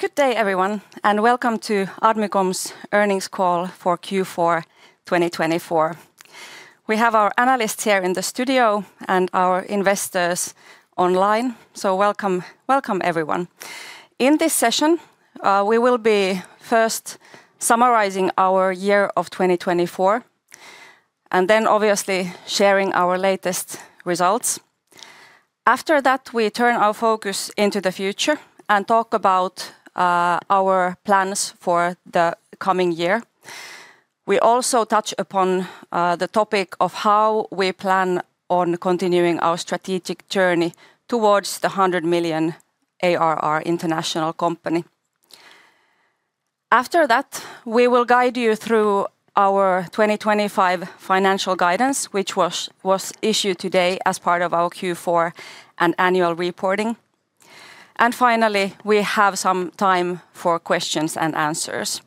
Good day, everyone, and welcome to Admicom's earnings call for Q4 2024. We have our analysts here in the studio and our investors online, so welcome, welcome everyone. In this session, we will be first summarizing our year of 2024, and then obviously sharing our latest results. After that, we turn our focus into the future and talk about our plans for the coming year. We also touch upon the topic of how we plan on continuing our strategic journey towards the 100 million ARR international company. After that, we will guide you through our 2025 financial guidance, which was issued today as part of our Q4 and annual reporting, and finally we have some time for questions and answers.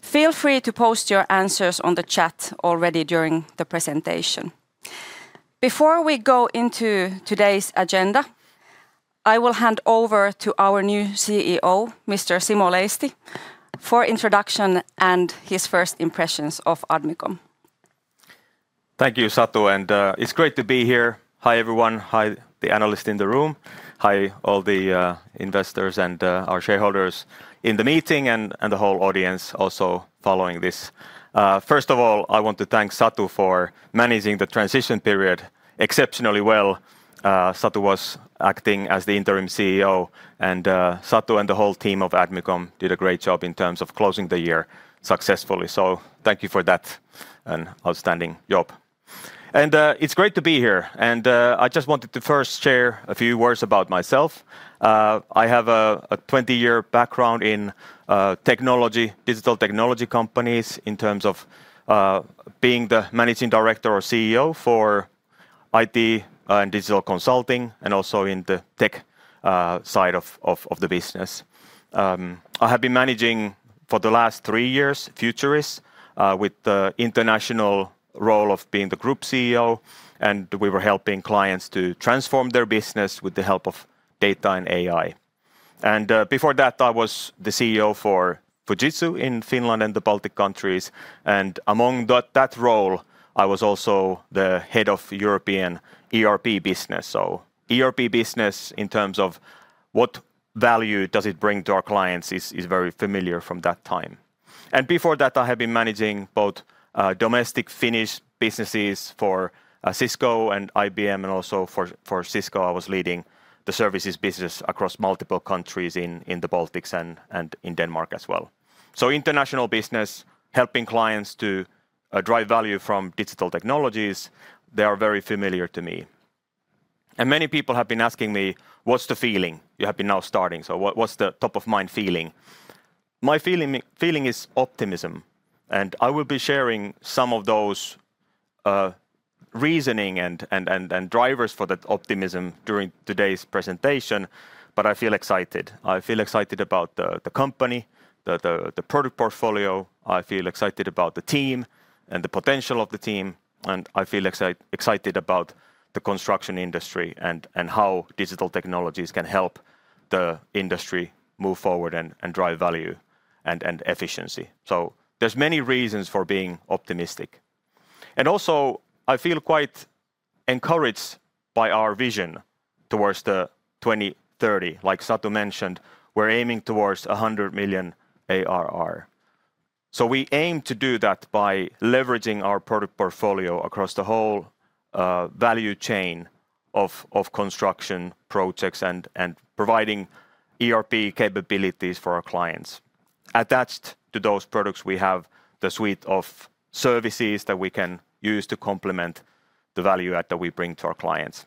Feel free to post your answers on the chat already during the presentation. Before we go into today's agenda, I will hand over to our new CEO, Mr. Simo Leisti, for introduction and his first impressions of Admicom. Thank you, Satu, and it's great to be here. Hi everyone, hi the analysts in the room, hi all the investors and our shareholders in the meeting, and the whole audience also following this. First of all, I want to thank Satu for managing the transition period exceptionally well. Satu was acting as the Interim CEO, and Satu and the whole team of Admicom did a great job in terms of closing the year successfully. Thank you for that and outstanding job. It's great to be here. I just wanted to first share a few words about myself. I have a 20-year background in technology, digital technology companies in terms of being the Managing Director or CEO for IT and digital consulting, and also in the tech side of the business. I have been managing for the last three years Futurice with the international role of being the group CEO, and we were helping clients to transform their business with the help of data and AI. And before that, I was the CEO for Fujitsu in Finland and the Baltic countries. And among that role, I was also the head of European ERP business. So ERP business in terms of what value does it bring to our clients is very familiar from that time. And before that, I have been managing both domestic Finnish businesses for Cisco and IBM, and also for Cisco, I was leading the services business across multiple countries in the Baltics and in Denmark as well. So international business, helping clients to drive value from digital technologies, they are very familiar to me. And many people have been asking me, what's the feeling you have been now starting? So what's the top of mind feeling? My feeling is optimism, and I will be sharing some of those reasoning and drivers for that optimism during today's presentation, but I feel excited. I feel excited about the company, the product portfolio. I feel excited about the team and the potential of the team, and I feel excited about the construction industry and how digital technologies can help the industry move forward and drive value and efficiency. So there's many reasons for being optimistic. And also, I feel quite encouraged by our vision towards the 2030. Like Satu mentioned, we're aiming towards 100 million ARR. So we aim to do that by leveraging our product portfolio across the whole value chain of construction projects and providing ERP capabilities for our clients. Attached to those products, we have the suite of services that we can use to complement the value add that we bring to our clients.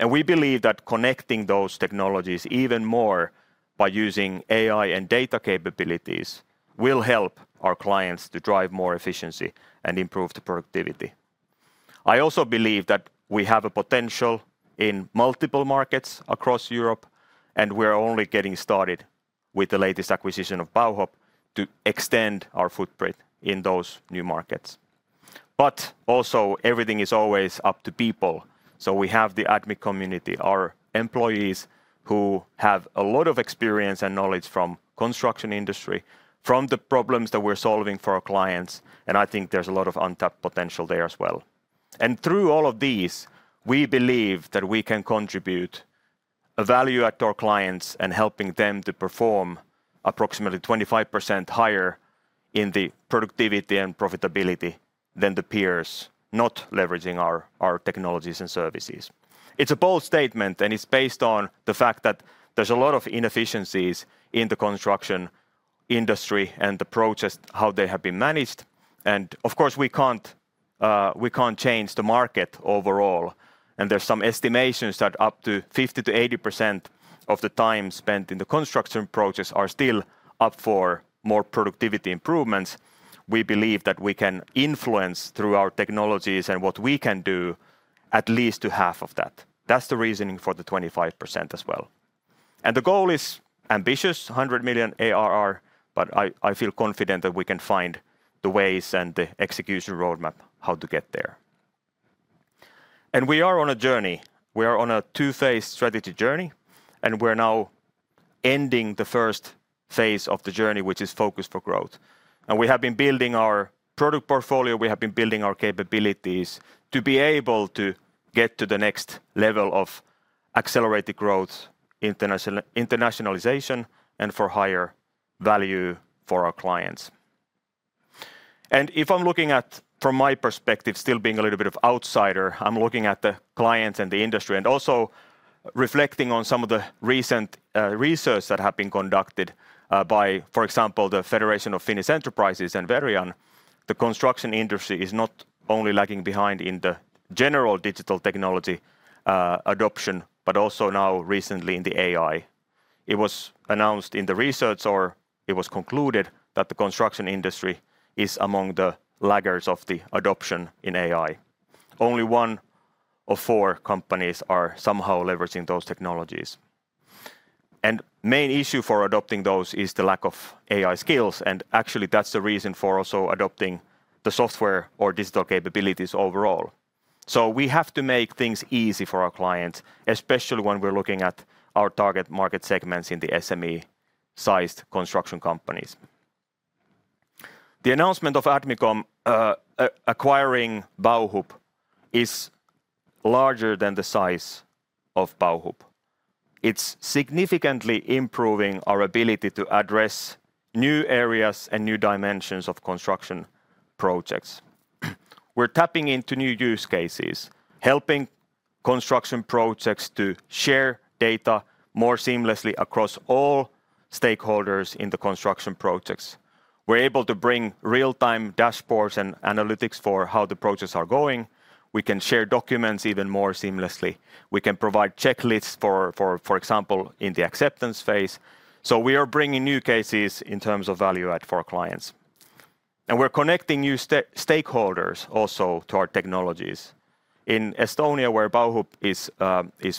And we believe that connecting those technologies even more by using AI and data capabilities will help our clients to drive more efficiency and improve the productivity. I also believe that we have a potential in multiple markets across Europe, and we're only getting started with the latest acquisition of Bauhub to extend our footprint in those new markets. But also, everything is always up to people. So we have the Admicom community, our employees who have a lot of experience and knowledge from the construction industry, from the problems that we're solving for our clients, and I think there's a lot of untapped potential there as well. Through all of these, we believe that we can contribute a value add to our clients and help them to perform approximately 25% higher in the productivity and profitability than the peers, not leveraging our technologies and services. It's a bold statement, and it's based on the fact that there's a lot of inefficiencies in the construction industry and the process, how they have been managed. Of course, we can't change the market overall. There's some estimations that up to 50%-80% of the time spent in the construction process are still up for more productivity improvements. We believe that we can influence through our technologies and what we can do at least to half of that. That's the reasoning for the 25% as well. The goal is ambitious: 100 million ARR. But I feel confident that we can find the ways and the execution roadmap how to get there. We are on a journey. We are on a two-phase strategy journey, and we're now ending the first phase of the journey, which is focused for growth. We have been building our product portfolio. We have been building our capabilities to be able to get to the next level of accelerated growth, internationalization, and for higher value for our clients. If I'm looking at, from my perspective, still being a little bit of outsider, I'm looking at the clients and the industry and also reflecting on some of the recent research that have been conducted by, for example, the Federation of Finnish Enterprises and Verian. The construction industry is not only lagging behind in the general digital technology adoption, but also now recently in the AI. It was announced in the research, or it was concluded that the construction industry is among the laggards of the adoption in AI. Only one of four companies are somehow leveraging those technologies. And the main issue for adopting those is the lack of AI skills, and actually that's the reason for also adopting the software or digital capabilities overall. So we have to make things easy for our clients, especially when we're looking at our target market segments in the SME-sized construction companies. The announcement of Admicom acquiring Bauhub is larger than the size of Bauhub. It's significantly improving our ability to address new areas and new dimensions of construction projects. We're tapping into new use cases, helping construction projects to share data more seamlessly across all stakeholders in the construction projects. We're able to bring real-time dashboards and analytics for how the projects are going. We can share documents even more seamlessly. We can provide checklists for, for example, in the acceptance phase. So we are bringing new cases in terms of value add for our clients. And we're connecting new stakeholders also to our technologies. In Estonia, where Bauhub is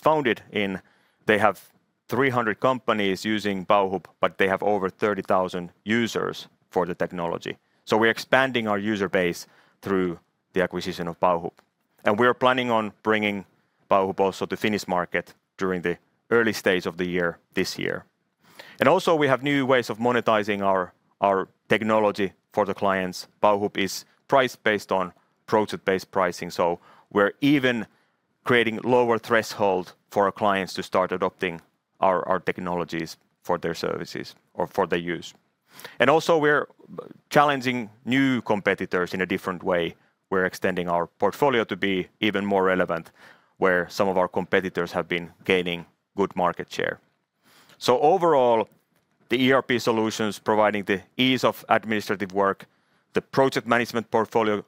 founded in, they have 300 companies using Bauhub, but they have over 30,000 users for the technology. So we're expanding our user base through the acquisition of Bauhub. And we're planning on bringing Bauhub also to the Finnish market during the early stage of the year this year. And also we have new ways of monetizing our technology for the clients. Bauhub is priced based on project-based pricing, so we're even creating lower thresholds for our clients to start adopting our technologies for their services or for their use. And also we're challenging new competitors in a different way. We're extending our portfolio to be even more relevant, where some of our competitors have been gaining good market share. So overall, the ERP solutions providing the ease of administrative work, the project management portfolio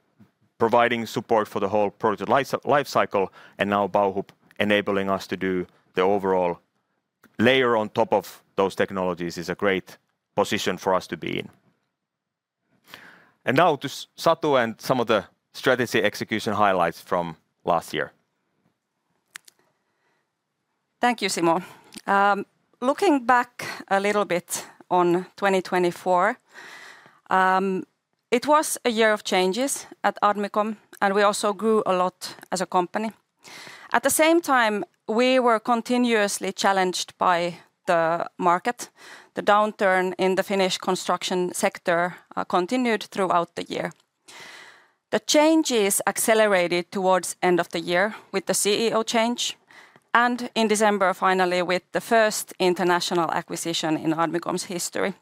providing support for the whole project lifecycle, and now Bauhub enabling us to do the overall layer on top of those technologies is a great position for us to be in. And now to Satu and some of the strategy execution highlights from last year. Thank you, Simo. Looking back a little bit on 2024, it was a year of changes at Admicom, and we also grew a lot as a company. At the same time, we were continuously challenged by the market. The downturn in the Finnish construction sector continued throughout the year. The changes accelerated towards the end of the year with the CEO change and in December finally with the first international acquisition in Admicom's history.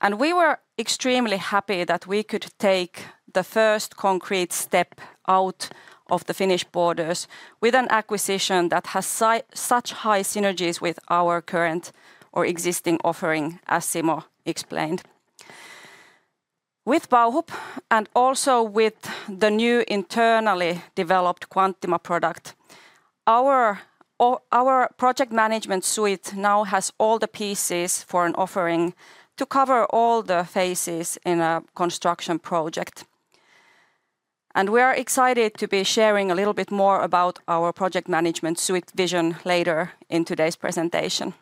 And we were extremely happy that we could take the first concrete step out of the Finnish borders with an acquisition that has such high synergies with our current or existing offering, as Simo explained. With Bauhub and also with the new internally developed Quantima product, our project management suite now has all the pieces for an offering to cover all the phases in a construction project. We are excited to be sharing a little bit more about our project management suite vision later in today's presentation.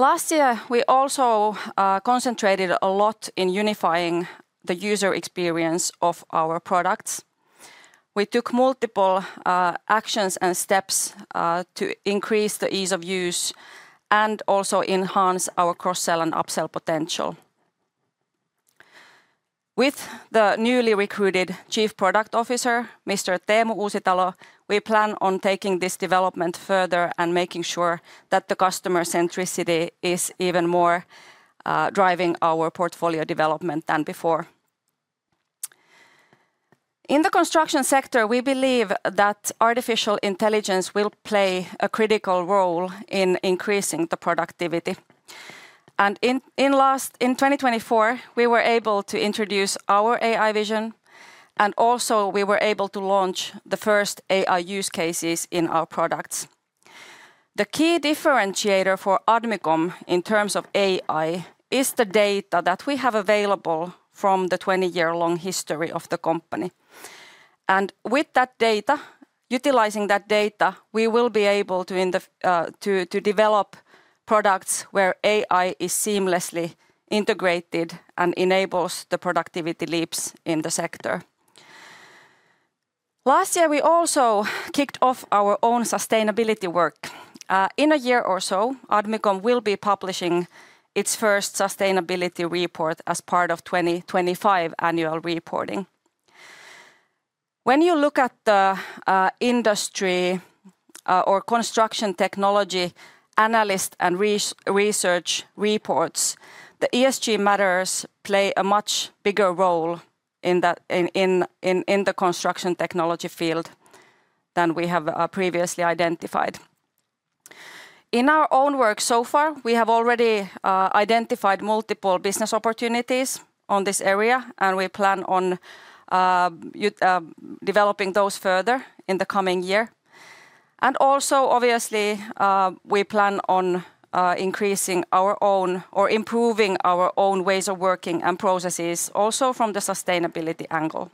Last year, we also concentrated a lot in unifying the user experience of our products. We took multiple actions and steps to increase the ease of use and also enhance our cross-sell and upsell potential. With the newly recruited Chief Product Officer, Mr. Teemu Uusitalo, we plan on taking this development further and making sure that the customer centricity is even more driving our portfolio development than before. In the construction sector, we believe that artificial intelligence will play a critical role in increasing the productivity. In 2024, we were able to introduce our AI vision, and also we were able to launch the first AI use cases in our products. The key differentiator for Admicom in terms of AI is the data that we have available from the 20-year-long history of the company, and with that data, utilizing that data, we will be able to develop products where AI is seamlessly integrated and enables the productivity leaps in the sector. Last year, we also kicked off our own sustainability work. In a year or so, Admicom will be publishing its first sustainability report as part of the 2025 annual reporting. When you look at the industry or construction technology analyst and research reports, the ESG matters play a much bigger role in the construction technology field than we have previously identified. In our own work so far, we have already identified multiple business opportunities in this area, and we plan on developing those further in the coming year. Also, obviously, we plan on increasing our own or improving our own ways of working and processes also from the sustainability angle.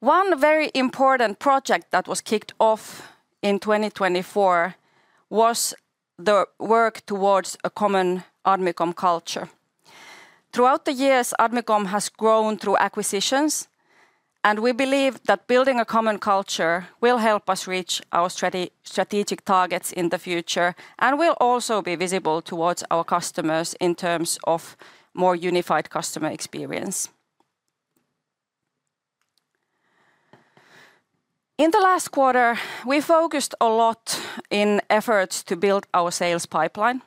One very important project that was kicked off in 2024 was the work towards a common Admicom culture. Throughout the years, Admicom has grown through acquisitions, and we believe that building a common culture will help us reach our strategic targets in the future and will also be visible towards our customers in terms of a more unified customer experience. In the last quarter, we focused a lot on efforts to build our sales pipeline,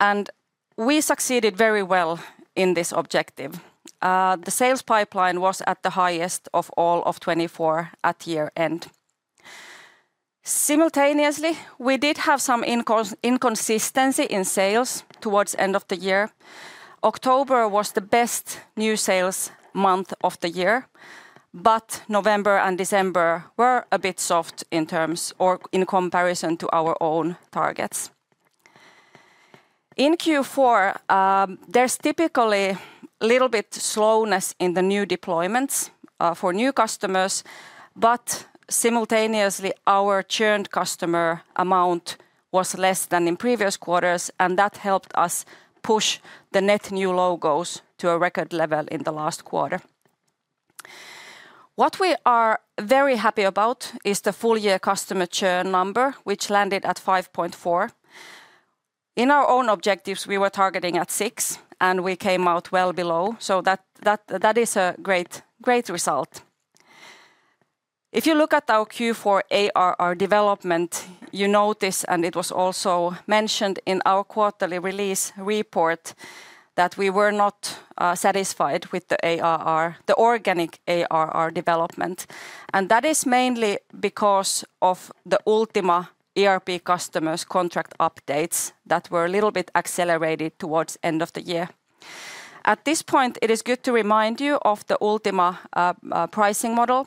and we succeeded very well in this objective. The sales pipeline was at the highest of all of 2024 at year-end. Simultaneously, we did have some inconsistency in sales towards the end of the year. October was the best new sales month of the year, but November and December were a bit soft in terms or in comparison to our own targets. In Q4, there's typically a little bit of slowness in the new deployments for new customers, but simultaneously, our churned customer amount was less than in previous quarters, and that helped us push the net new logos to a record level in the last quarter. What we are very happy about is the full-year customer churn number, which landed at 5.4. In our own objectives, we were targeting at 6, and we came out well below, so that is a great result. If you look at our Q4 ARR development, you notice, and it was also mentioned in our quarterly release report, that we were not satisfied with the organic ARR development. That is mainly because of the Ultima ERP customers' contract updates that were a little bit accelerated towards the end of the year. At this point, it is good to remind you of the Ultima pricing model.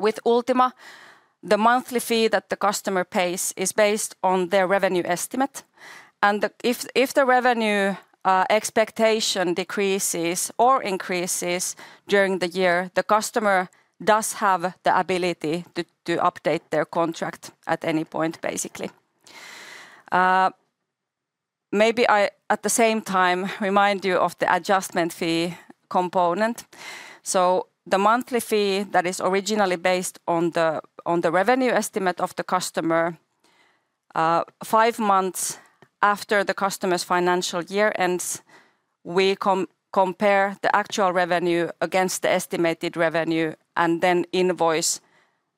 With Ultima, the monthly fee that the customer pays is based on their revenue estimate. If the revenue expectation decreases or increases during the year, the customer does have the ability to update their contract at any point, basically. Maybe I at the same time remind you of the adjustment fee component. So the monthly fee that is originally based on the revenue estimate of the customer, five months after the customer's financial year ends, we compare the actual revenue against the estimated revenue and then invoice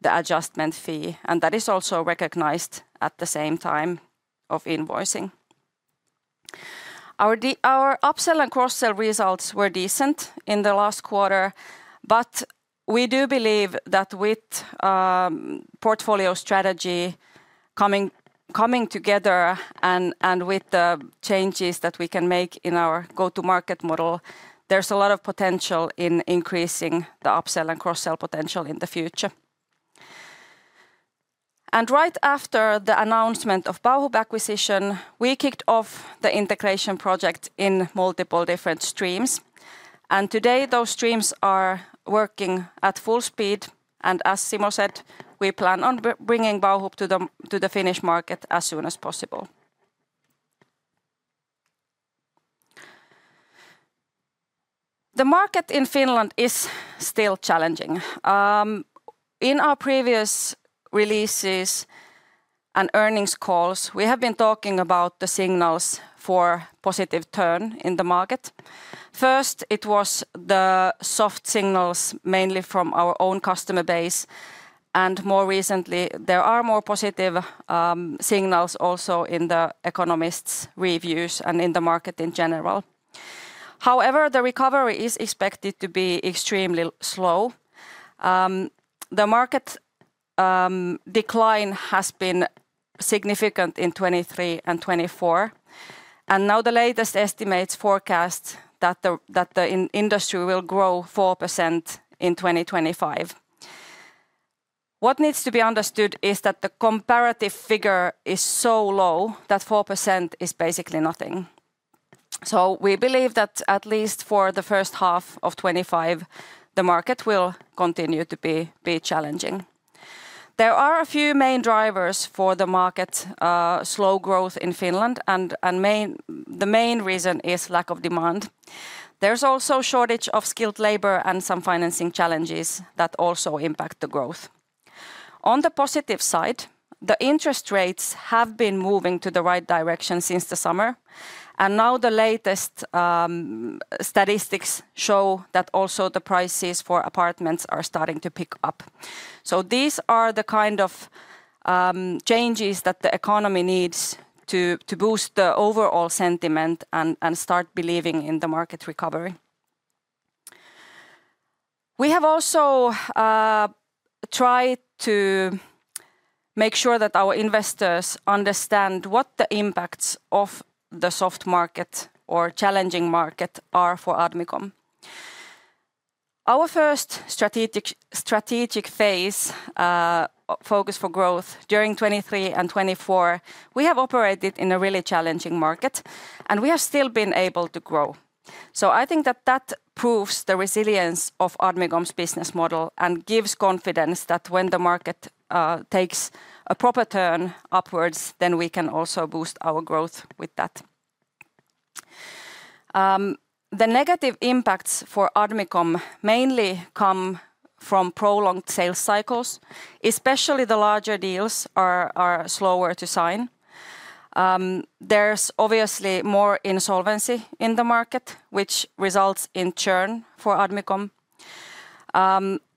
the adjustment fee. That is also recognized at the same time of invoicing. Our upsell and cross-sell results were decent in the last quarter, but we do believe that with portfolio strategy coming together and with the changes that we can make in our go-to-market model, there's a lot of potential in increasing the upsell and cross-sell potential in the future. And right after the announcement of Bauhub acquisition, we kicked off the integration project in multiple different streams. And today, those streams are working at full speed. And as Simo said, we plan on bringing Bauhub to the Finnish market as soon as possible. The market in Finland is still challenging. In our previous releases and earnings calls, we have been talking about the signals for positive turn in the market. First, it was the soft signals mainly from our own customer base. And more recently, there are more positive signals also in the economists' reviews and in the market in general. However, the recovery is expected to be extremely slow. The market decline has been significant in 2023 and 2024, and now the latest estimates forecast that the industry will grow 4% in 2025. What needs to be understood is that the comparative figure is so low that 4% is basically nothing, so we believe that at least for the first half of 2025, the market will continue to be challenging. There are a few main drivers for the market's slow growth in Finland, and the main reason is lack of demand. There's also a shortage of skilled labor and some financing challenges that also impact the growth. On the positive side, the interest rates have been moving to the right direction since the summer, and now the latest statistics show that also the prices for apartments are starting to pick up. These are the kind of changes that the economy needs to boost the overall sentiment and start believing in the market recovery. We have also tried to make sure that our investors understand what the impacts of the soft market or challenging market are for Admicom. Our first strategic phase focus for growth during 2023 and 2024. We have operated in a really challenging market, and we have still been able to grow. I think that that proves the resilience of Admicom's business model and gives confidence that when the market takes a proper turn upwards, then we can also boost our growth with that. The negative impacts for Admicom mainly come from prolonged sales cycles, especially the larger deals are slower to sign. There's obviously more insolvency in the market, which results in churn for Admicom.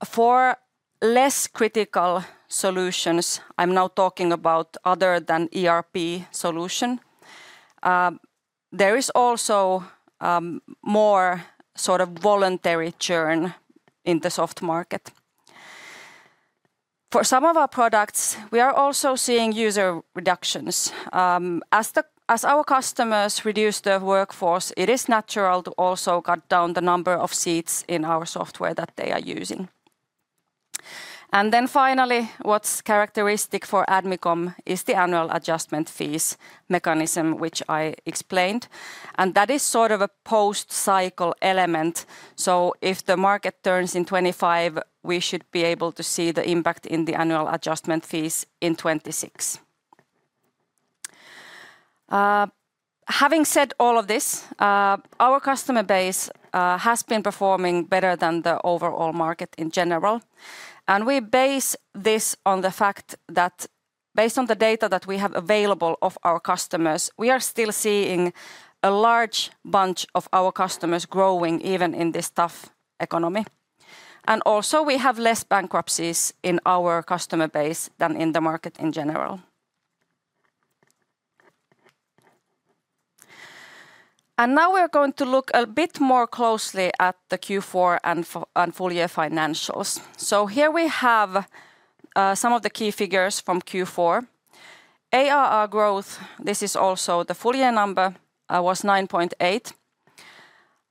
For less critical solutions, I'm now talking about other than ERP solutions. There is also more sort of voluntary churn in the soft market. For some of our products, we are also seeing user reductions. As our customers reduce their workforce, it is natural to also cut down the number of seats in our software that they are using, and then finally, what's characteristic for Admicom is the annual adjustment fees mechanism, which I explained, and that is sort of a post-cycle element, so if the market turns in 2025, we should be able to see the impact in the annual adjustment fees in 2026. Having said all of this, our customer base has been performing better than the overall market in general. We base this on the fact that based on the data that we have available of our customers, we are still seeing a large bunch of our customers growing even in this tough economy. We also have less bankruptcies in our customer base than in the market in general. Now we're going to look a bit more closely at the Q4 and full-year financials. Here we have some of the key figures from Q4. ARR growth, this is also the full-year number, was 9.8%.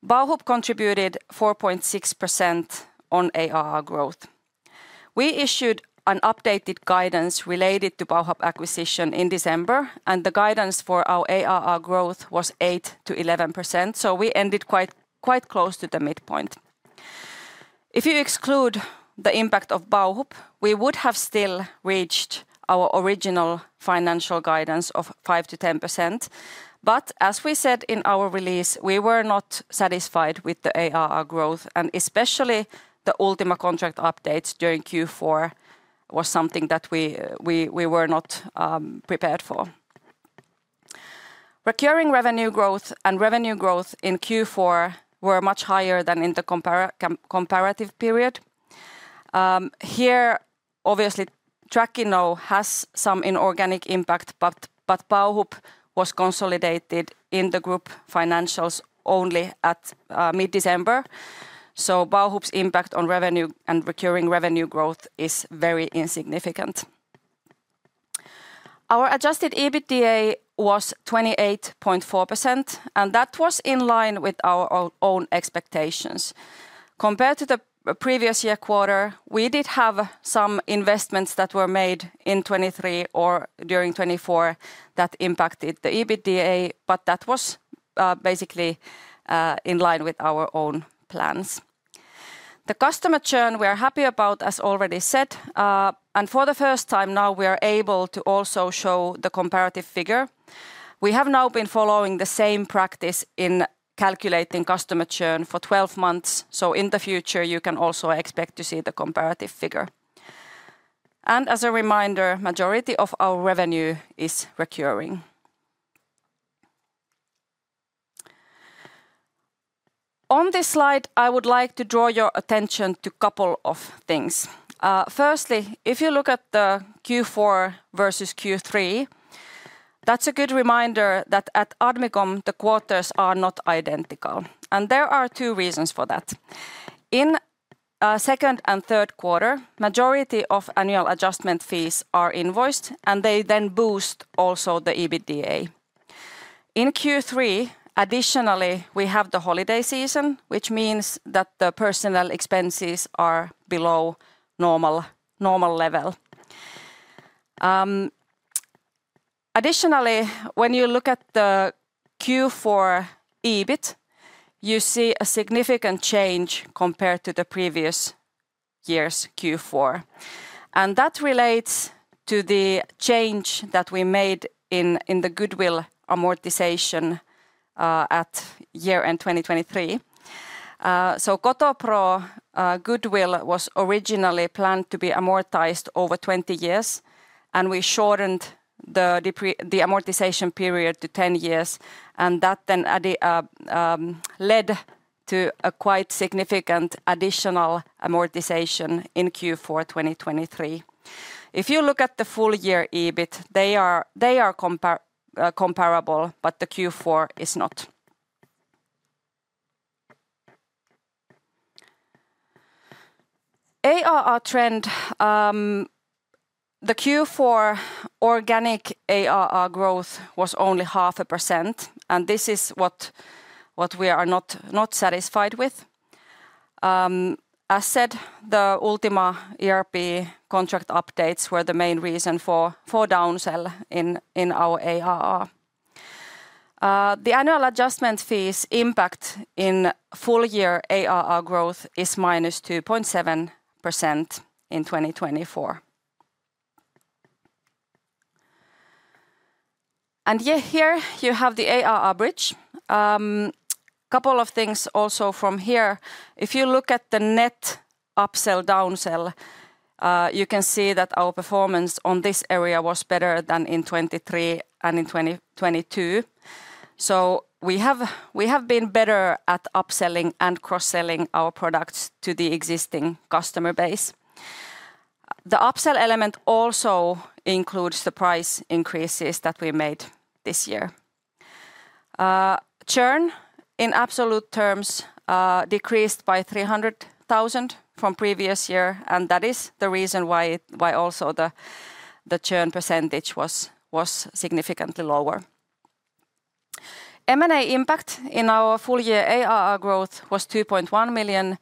Bauhub contributed 4.6% on ARR growth. We issued an updated guidance related to Bauhub acquisition in December, and the guidance for our ARR growth was 8%-11%. We ended quite close to the midpoint. If you exclude the impact of Bauhub, we would have still reached our original financial guidance of 5%-10%. But as we said in our release, we were not satisfied with the ARR growth, and especially the Ultima contract updates during Q4 were something that we were not prepared for. Recurring revenue growth and revenue growth in Q4 were much higher than in the comparative period. Here, obviously, Trackinno has some inorganic impact, but Bauhub was consolidated in the group financials only at mid-December. So Bauhub's impact on revenue and recurring revenue growth is very insignificant. Our Adjusted EBITDA was 28.4%, and that was in line with our own expectations. Compared to the previous year quarter, we did have some investments that were made in 2023 or during 2024 that impacted the EBITDA, but that was basically in line with our own plans. The customer churn we are happy about, as already said, and for the first time now we are able to also show the comparative figure. We have now been following the same practice in calculating customer churn for 12 months, so in the future, you can also expect to see the comparative figure, and as a reminder, the majority of our revenue is recurring. On this slide, I would like to draw your attention to a couple of things. Firstly, if you look at the Q4 versus Q3, that's a good reminder that at Admicom, the quarters are not identical, and there are two reasons for that. In second and third quarter, the majority of annual adjustment fees are invoiced, and they then boost also the EBITDA. In Q3, additionally, we have the holiday season, which means that the personal expenses are below normal level. Additionally, when you look at the Q4 EBIT, you see a significant change compared to the previous year's Q4. That relates to the change that we made in the goodwill amortization at year-end 2023. Kotopro goodwill was originally planned to be amortized over 20 years, and we shortened the amortization period to 10 years. That then led to a quite significant additional amortization in Q4 2023. If you look at the full-year EBIT, they are comparable, but the Q4 is not. ARR trend, the Q4 organic ARR growth was only 0.5%, and this is what we are not satisfied with. As said, the Ultima ERP contract updates were the main reason for downsell in our ARR. The annual adjustment fees impact in full-year ARR growth is -2.7% in 2024. Here you have the ARR bridge. A couple of things also from here. If you look at the net upsell downsell, you can see that our performance on this area was better than in 2023 and in 2022. So we have been better at upselling and cross-selling our products to the existing customer base. The upsell element also includes the price increases that we made this year. Churn in absolute terms decreased by 300,000 from previous year, and that is the reason why also the churn percentage was significantly lower. M&A impact in our full-year ARR growth was 2.1 million,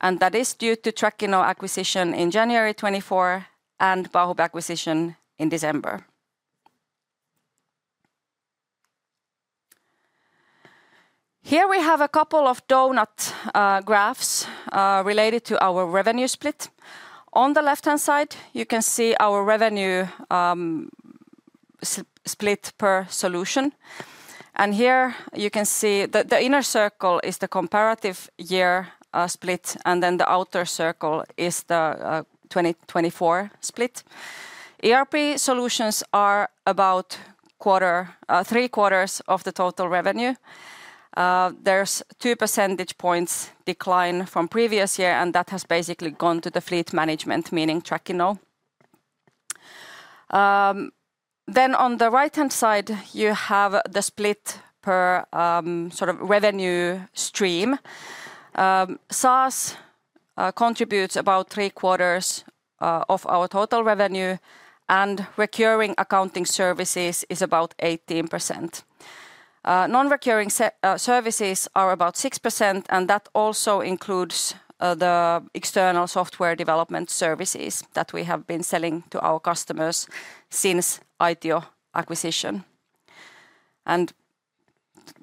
and that is due to Trackinno acquisition in January 2024 and Bauhub acquisition in December. Here we have a couple of donut graphs related to our revenue split. On the left-hand side, you can see our revenue split per solution. And here you can see the inner circle is the comparative year split, and then the outer circle is the 2024 split. ERP solutions are about three quarters of the total revenue. There's two percentage points decline from previous year, and that has basically gone to the fleet management, meaning Trackinno. Then on the right-hand side, you have the split per sort of revenue stream. SaaS contributes about three quarters of our total revenue, and recurring accounting services is about 18%. Non-recurring services are about 6%, and that also includes the external software development services that we have been selling to our customers since Aitio acquisition. And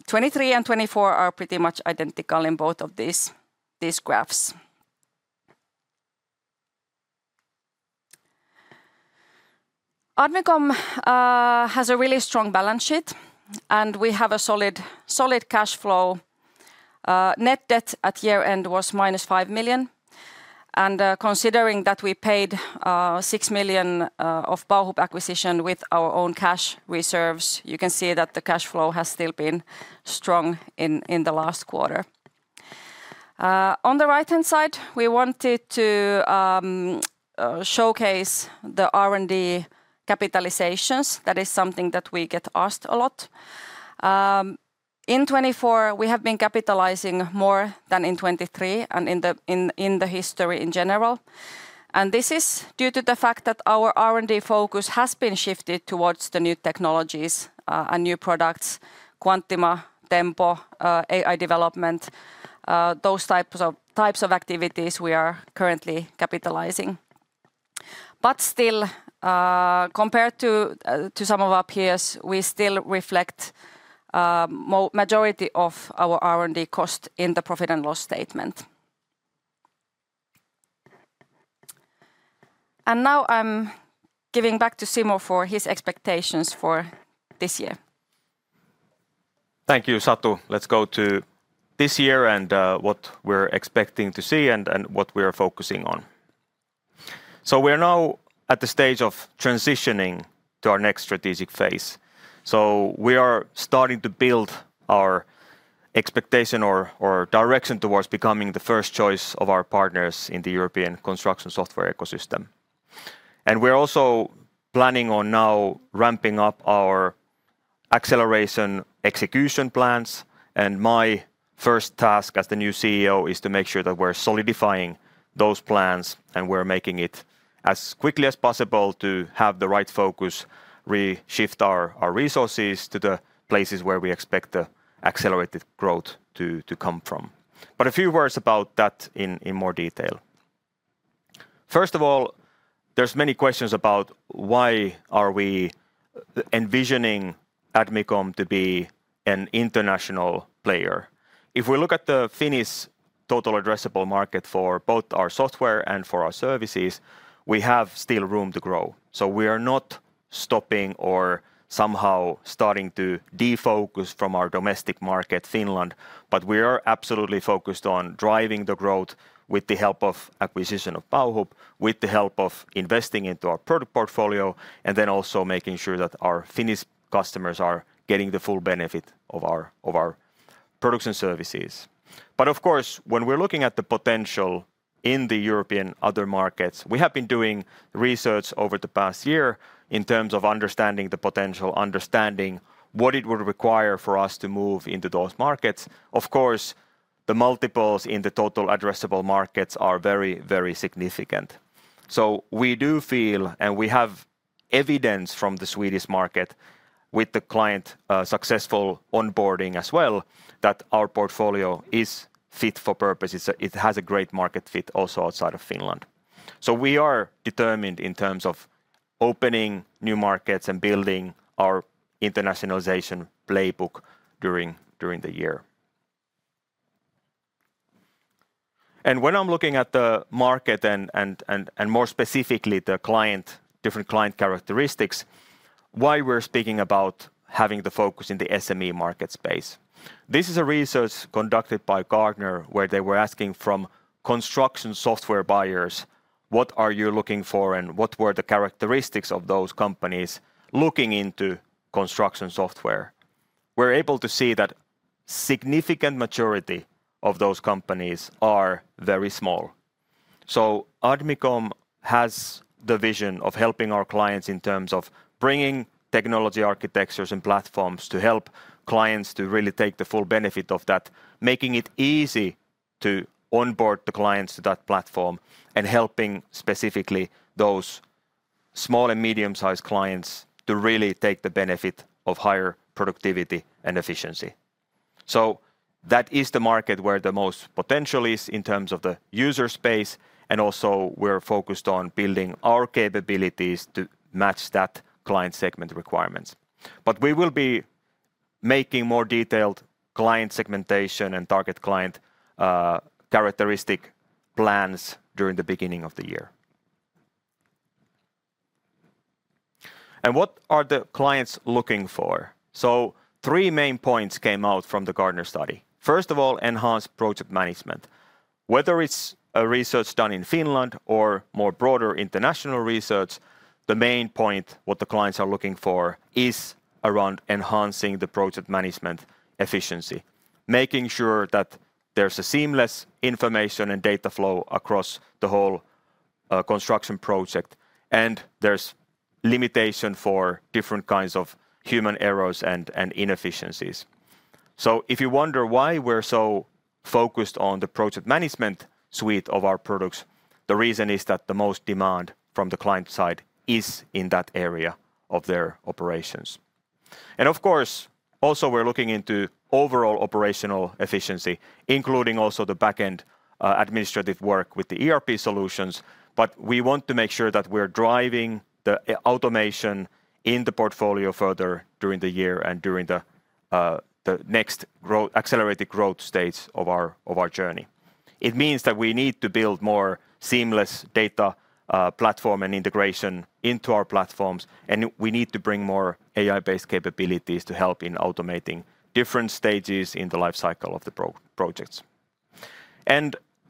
2023 and 2024 are pretty much identical in both of these graphs. Admicom has a really strong balance sheet, and we have a solid cash flow. Net debt at year-end was minus 5 million. And considering that we paid 6 million of Bauhub acquisition with our own cash reserves, you can see that the cash flow has still been strong in the last quarter. On the right-hand side, we wanted to showcase the R&D capitalizations. That is something that we get asked a lot. In 2024, we have been capitalizing more than in 2023 and in the history in general. And this is due to the fact that our R&D focus has been shifted towards the new technologies and new products: Quantima, Tempo, AI development. Those types of activities we are currently capitalizing. But still, compared to some of our peers, we still reflect the majority of our R&D cost in the profit and loss statement. And now I'm giving back to Simo for his expectations for this year. Thank you, Satu. Let's go to this year and what we're expecting to see and what we are focusing on. So we are now at the stage of transitioning to our next strategic phase. We are starting to build our expectation or direction towards becoming the first choice of our partners in the European construction software ecosystem. We're also planning on now ramping up our acceleration execution plans. My first task as the new CEO is to make sure that we're solidifying those plans and we're making it as quickly as possible to have the right focus, reshift our resources to the places where we expect the accelerated growth to come from. A few words about that in more detail. First of all, there's many questions about why are we envisioning Admicom to be an international player. If we look at the Finnish total addressable market for both our software and for our services, we have still room to grow. We are not stopping or somehow starting to defocus from our domestic market, Finland, but we are absolutely focused on driving the growth with the help of acquisition of Bauhub, with the help of investing into our product portfolio, and then also making sure that our Finnish customers are getting the full benefit of our products and services. But of course, when we're looking at the potential in the European other markets, we have been doing research over the past year in terms of understanding the potential, understanding what it would require for us to move into those markets. Of course, the multiples in the total addressable markets are very, very significant. We do feel, and we have evidence from the Swedish market with the client successful onboarding as well, that our portfolio is fit for purpose. It has a great market fit also outside of Finland. We are determined in terms of opening new markets and building our internationalization playbook during the year. When I'm looking at the market and more specifically the different client characteristics, why we're speaking about having the focus in the SME market space. This is a research conducted by Gartner where they were asking from construction software buyers, what are you looking for and what were the characteristics of those companies looking into construction software. We're able to see that a significant majority of those companies are very small. Admicom has the vision of helping our clients in terms of bringing technology architectures and platforms to help clients to really take the full benefit of that, making it easy to onboard the clients to that platform and helping specifically those small and medium-sized clients to really take the benefit of higher productivity and efficiency. That is the market where the most potential is in terms of the user space, and also we're focused on building our capabilities to match that client segment requirements. But we will be making more detailed client segmentation and target client characteristic plans during the beginning of the year. And what are the clients looking for? So three main points came out from the Gartner study. First of all, enhanced project management. Whether it's a research done in Finland or more broader international research, the main point what the clients are looking for is around enhancing the project management efficiency, making sure that there's a seamless information and data flow across the whole construction project, and there's limitation for different kinds of human errors and inefficiencies. If you wonder why we're so focused on the project management suite of our products, the reason is that the most demand from the client side is in that area of their operations. Of course, also we're looking into overall operational efficiency, including also the back-end administrative work with the ERP solutions, but we want to make sure that we're driving the automation in the portfolio further during the year and during the next accelerated growth stage of our journey. It means that we need to build more seamless data platform and integration into our platforms, and we need to bring more AI-based capabilities to help in automating different stages in the life cycle of the projects.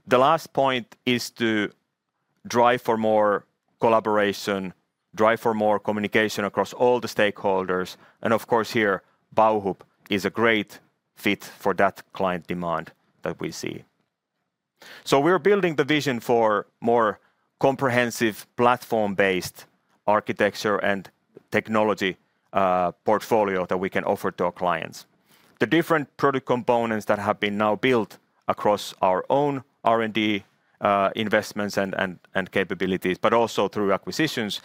The last point is to drive for more collaboration, drive for more communication across all the stakeholders, and of course here, Bauhub is a great fit for that client demand that we see. We're building the vision for more comprehensive platform-based architecture and technology portfolio that we can offer to our clients. The different product components that have been now built across our own R&D investments and capabilities, but also through acquisitions,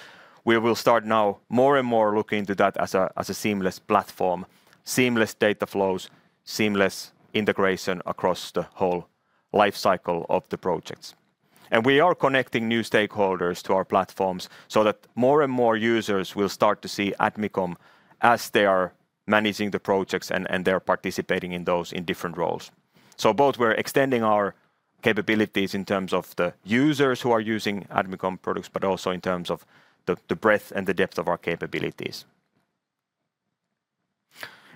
we will start now more and more looking into that as a seamless platform, seamless data flows, seamless integration across the whole life cycle of the projects. We are connecting new stakeholders to our platforms so that more and more users will start to see Admicom as they are managing the projects and they're participating in those in different roles. So both we're extending our capabilities in terms of the users who are using Admicom products, but also in terms of the breadth and the depth of our capabilities.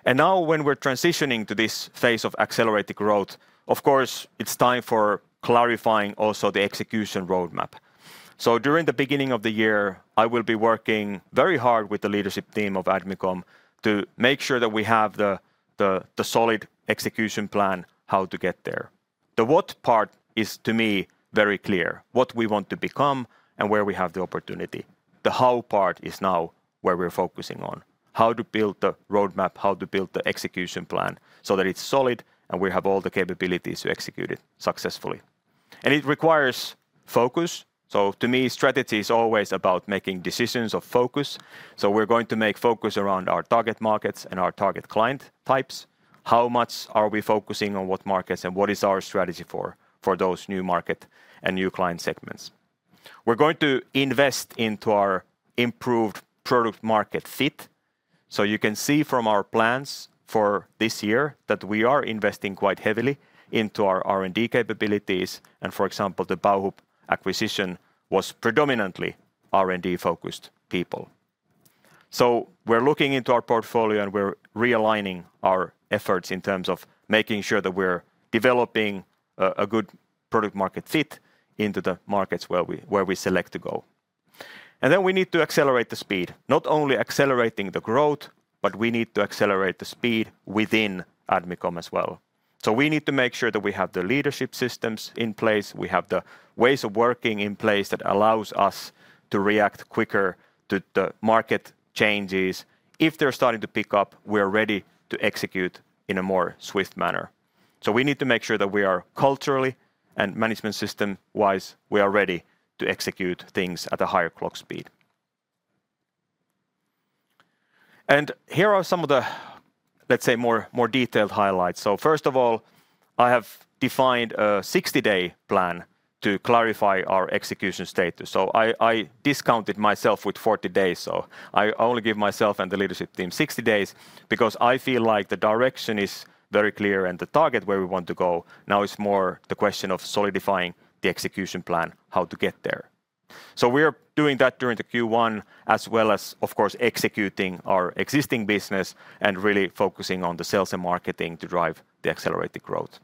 And now when we're transitioning to this phase of accelerated growth, of course it's time for clarifying also the execution roadmap. So during the beginning of the year, I will be working very hard with the leadership team of Admicom to make sure that we have the solid execution plan how to get there. The what part is to me very clear, what we want to become and where we have the opportunity. The how part is now where we're focusing on, how to build the roadmap, how to build the execution plan so that it's solid and we have all the capabilities to execute it successfully. And it requires focus. So to me, strategy is always about making decisions of focus. So we're going to make focus around our target markets and our target client types. How much are we focusing on what markets and what is our strategy for those new market and new client segments? We're going to invest into our improved product market fit. So you can see from our plans for this year that we are investing quite heavily into our R&D capabilities. And for example, the Bauhub acquisition was predominantly R&D-focused people. So we're looking into our portfolio and we're realigning our efforts in terms of making sure that we're developing a good product market fit into the markets where we select to go. And then we need to accelerate the speed, not only accelerating the growth, but we need to accelerate the speed within Admicom as well. So we need to make sure that we have the leadership systems in place. We have the ways of working in place that allows us to react quicker to the market changes. If they're starting to pick up, we're ready to execute in a more swift manner. So we need to make sure that we are culturally and management system-wise ready to execute things at a higher clock speed. And here are some of the, let's say, more detailed highlights. So first of all, I have defined a 60-day plan to clarify our execution status. So I discounted myself with 40 days. So I only give myself and the leadership team 60 days because I feel like the direction is very clear and the target where we want to go now is more the question of solidifying the execution plan, how to get there. So we're doing that during the Q1 as well as, of course, executing our existing business and really focusing on the sales and marketing to drive the accelerated growth.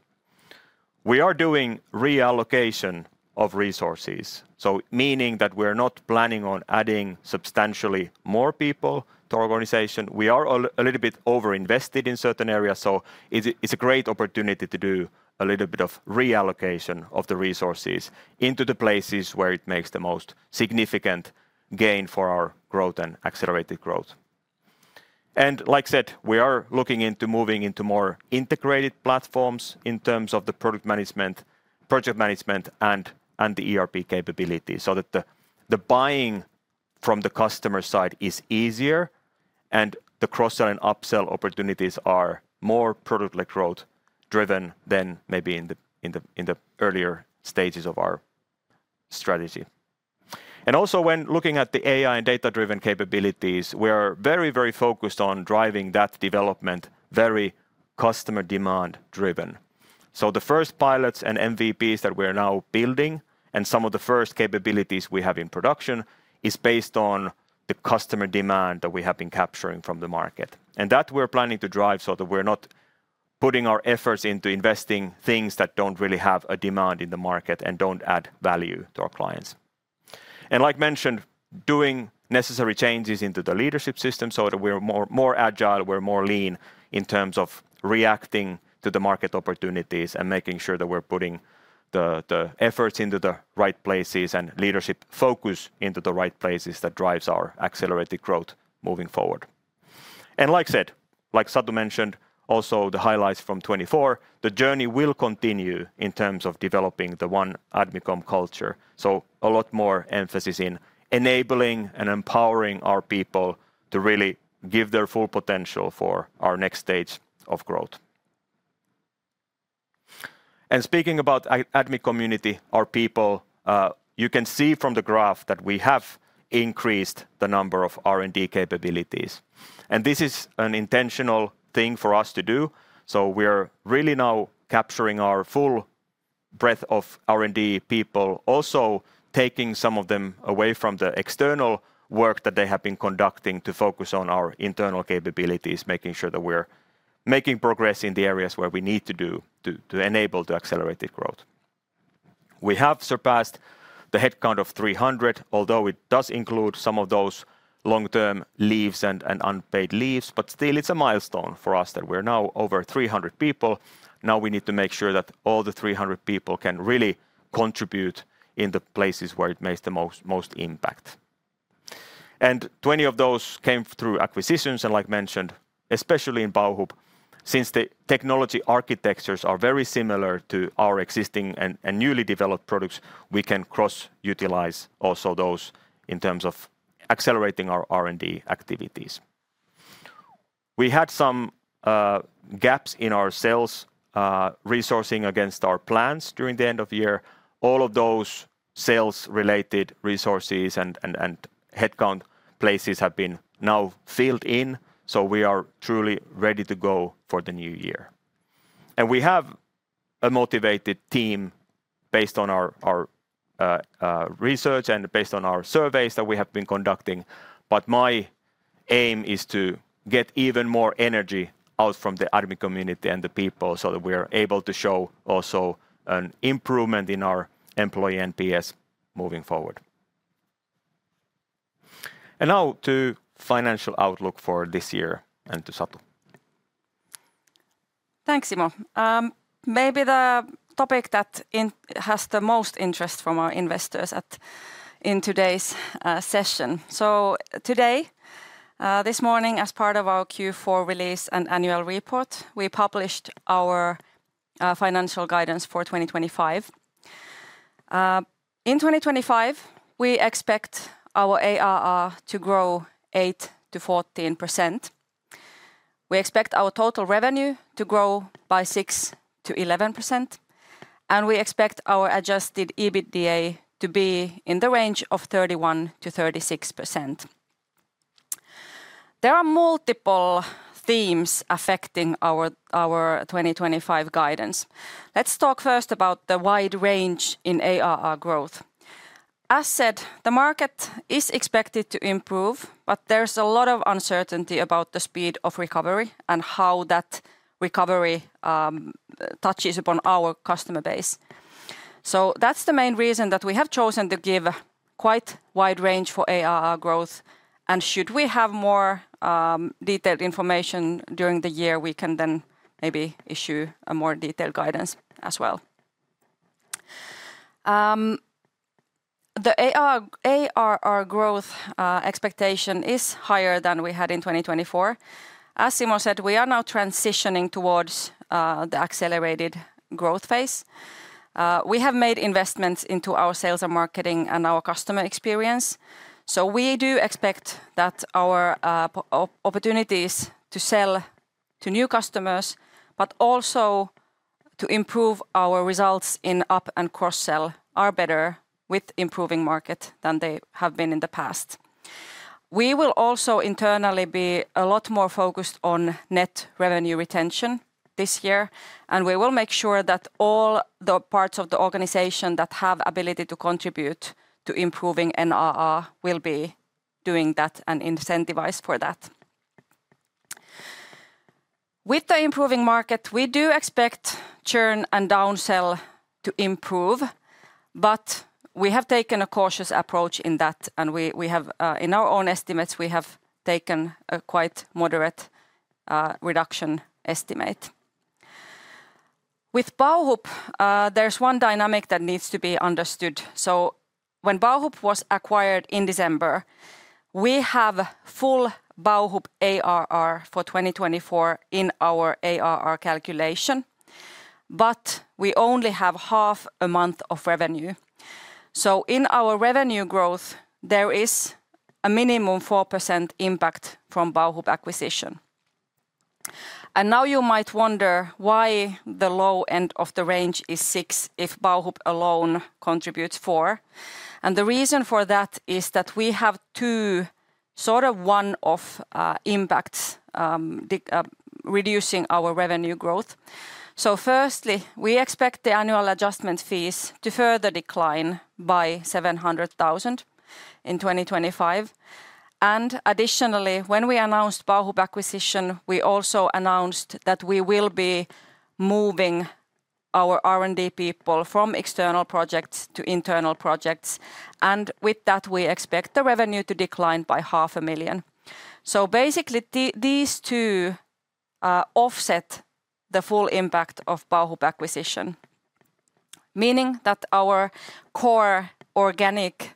We are doing reallocation of resources, so meaning that we're not planning on adding substantially more people to our organization. We are a little bit overinvested in certain areas, so it's a great opportunity to do a little bit of reallocation of the resources into the places where it makes the most significant gain for our growth and accelerated growth. And like I said, we are looking into moving into more integrated platforms in terms of the product management, project management, and the ERP capability so that the buying from the customer side is easier and the cross-sell and upsell opportunities are more product-led growth driven than maybe in the earlier stages of our strategy. Also when looking at the AI and data-driven capabilities, we are very, very focused on driving that development very customer demand-driven, so the first pilots and MVPs that we are now building and some of the first capabilities we have in production is based on the customer demand that we have been capturing from the market, and that we're planning to drive so that we're not putting our efforts into investing things that don't really have a demand in the market and don't add value to our clients, and like mentioned, doing necessary changes into the leadership system so that we're more agile, we're more lean in terms of reacting to the market opportunities and making sure that we're putting the efforts into the right places and leadership focus into the right places that drives our accelerated growth moving forward. Like I said, like Satu mentioned, also the highlights from 2024, the journey will continue in terms of developing the one Admicom culture. A lot more emphasis in enabling and empowering our people to really give their full potential for our next stage of growth. Speaking about Admicom community, our people, you can see from the graph that we have increased the number of R&D capabilities. This is an intentional thing for us to do. We're really now capturing our full breadth of R&D people, also taking some of them away from the external work that they have been conducting to focus on our internal capabilities, making sure that we're making progress in the areas where we need to do to enable the accelerated growth. We have surpassed the headcount of 300, although it does include some of those long-term leaves and unpaid leaves, but still it's a milestone for us that we're now over 300 people. Now we need to make sure that all the 300 people can really contribute in the places where it makes the most impact, and 20 of those came through acquisitions and like mentioned, especially in Bauhub, since the technology architectures are very similar to our existing and newly developed products, we can cross-utilize also those in terms of accelerating our R&D activities. We had some gaps in our sales resourcing against our plans during the end of year. All of those sales-related resources and headcount places have been now filled in, so we are truly ready to go for the new year. We have a motivated team based on our research and based on our surveys that we have been conducting, but my aim is to get even more energy out from the Admicom community and the people so that we are able to show also an improvement in our employee NPS moving forward. Now to financial outlook for this year and to Satu. Thanks, Simo. Maybe the topic that has the most interest from our investors in today's session. Today, this morning, as part of our Q4 release and annual report, we published our financial guidance for 2025. In 2025, we expect our ARR to grow 8%-14%. We expect our total revenue to grow by 6%-11%, and we expect our adjusted EBITDA to be in the range of 31%-36%. There are multiple themes affecting our 2025 guidance. Let's talk first about the wide range in ARR growth. As said, the market is expected to improve, but there's a lot of uncertainty about the speed of recovery and how that recovery touches upon our customer base. So that's the main reason that we have chosen to give quite wide range for ARR growth, and should we have more detailed information during the year, we can then maybe issue a more detailed guidance as well. The ARR growth expectation is higher than we had in 2024. As Simo said, we are now transitioning towards the accelerated growth phase. We have made investments into our sales and marketing and our customer experience. So we do expect that our opportunities to sell to new customers, but also to improve our results in upsell and cross-sell are better with improving market than they have been in the past. We will also internally be a lot more focused on net revenue retention this year, and we will make sure that all the parts of the organization that have ability to contribute to improving NRR will be doing that and incentivized for that. With the improving market, we do expect churn and downsell to improve, but we have taken a cautious approach in that, and in our own estimates, we have taken a quite moderate reduction estimate. With Bauhub, there's one dynamic that needs to be understood. So when Bauhub was acquired in December, we have full Bauhub ARR for 2024 in our ARR calculation, but we only have half a month of revenue. So in our revenue growth, there is a minimum 4% impact from Bauhub acquisition. And now you might wonder why the low end of the range is 6 if Bauhub alone contributes 4. The reason for that is that we have two sort of one-off impacts reducing our revenue growth. So firstly, we expect the annual adjustment fees to further decline by 700,000 in 2025. And additionally, when we announced Bauhub acquisition, we also announced that we will be moving our R&D people from external projects to internal projects. And with that, we expect the revenue to decline by 500,000. So basically, these two offset the full impact of Bauhub acquisition, meaning that our core organic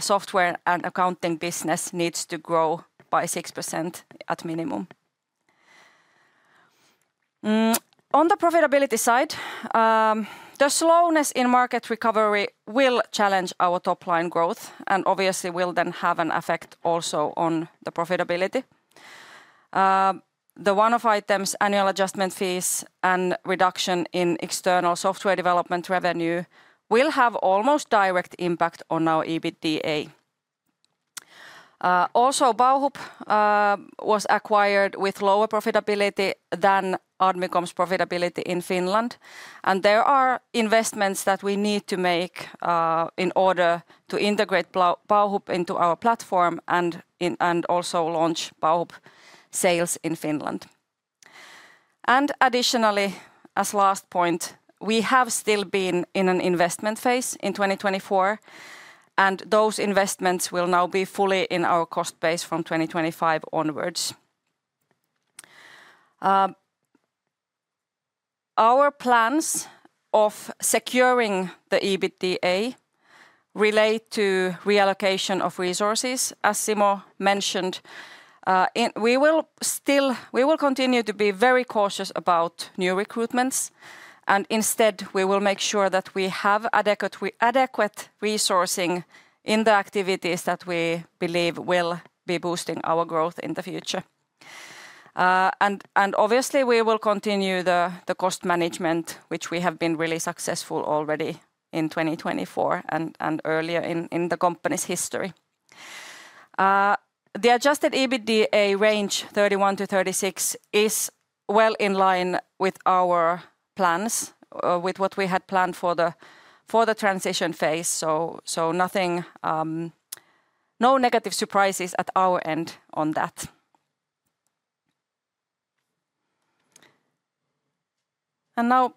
software and accounting business needs to grow by 6% at minimum. On the profitability side, the slowness in market recovery will challenge our top-line growth and obviously will then have an effect also on the profitability. The one-off items, annual adjustment fees and reduction in external software development revenue will have almost direct impact on our EBITDA. Also, Bauhub was acquired with lower profitability than Admicom's profitability in Finland. And there are investments that we need to make in order to integrate Bauhub into our platform and also launch Bauhub sales in Finland. And additionally, as last point, we have still been in an investment phase in 2024, and those investments will now be fully in our cost base from 2025 onwards. Our plans of securing the EBITDA relate to reallocation of resources, as Simo mentioned. We will continue to be very cautious about new recruitments, and instead, we will make sure that we have adequate resourcing in the activities that we believe will be boosting our growth in the future. And obviously, we will continue the cost management, which we have been really successful already in 2024 and earlier in the company's history. The adjusted EBITDA range 31-36 is well in line with our plans, with what we had planned for the transition phase, so no negative surprises at our end on that, and now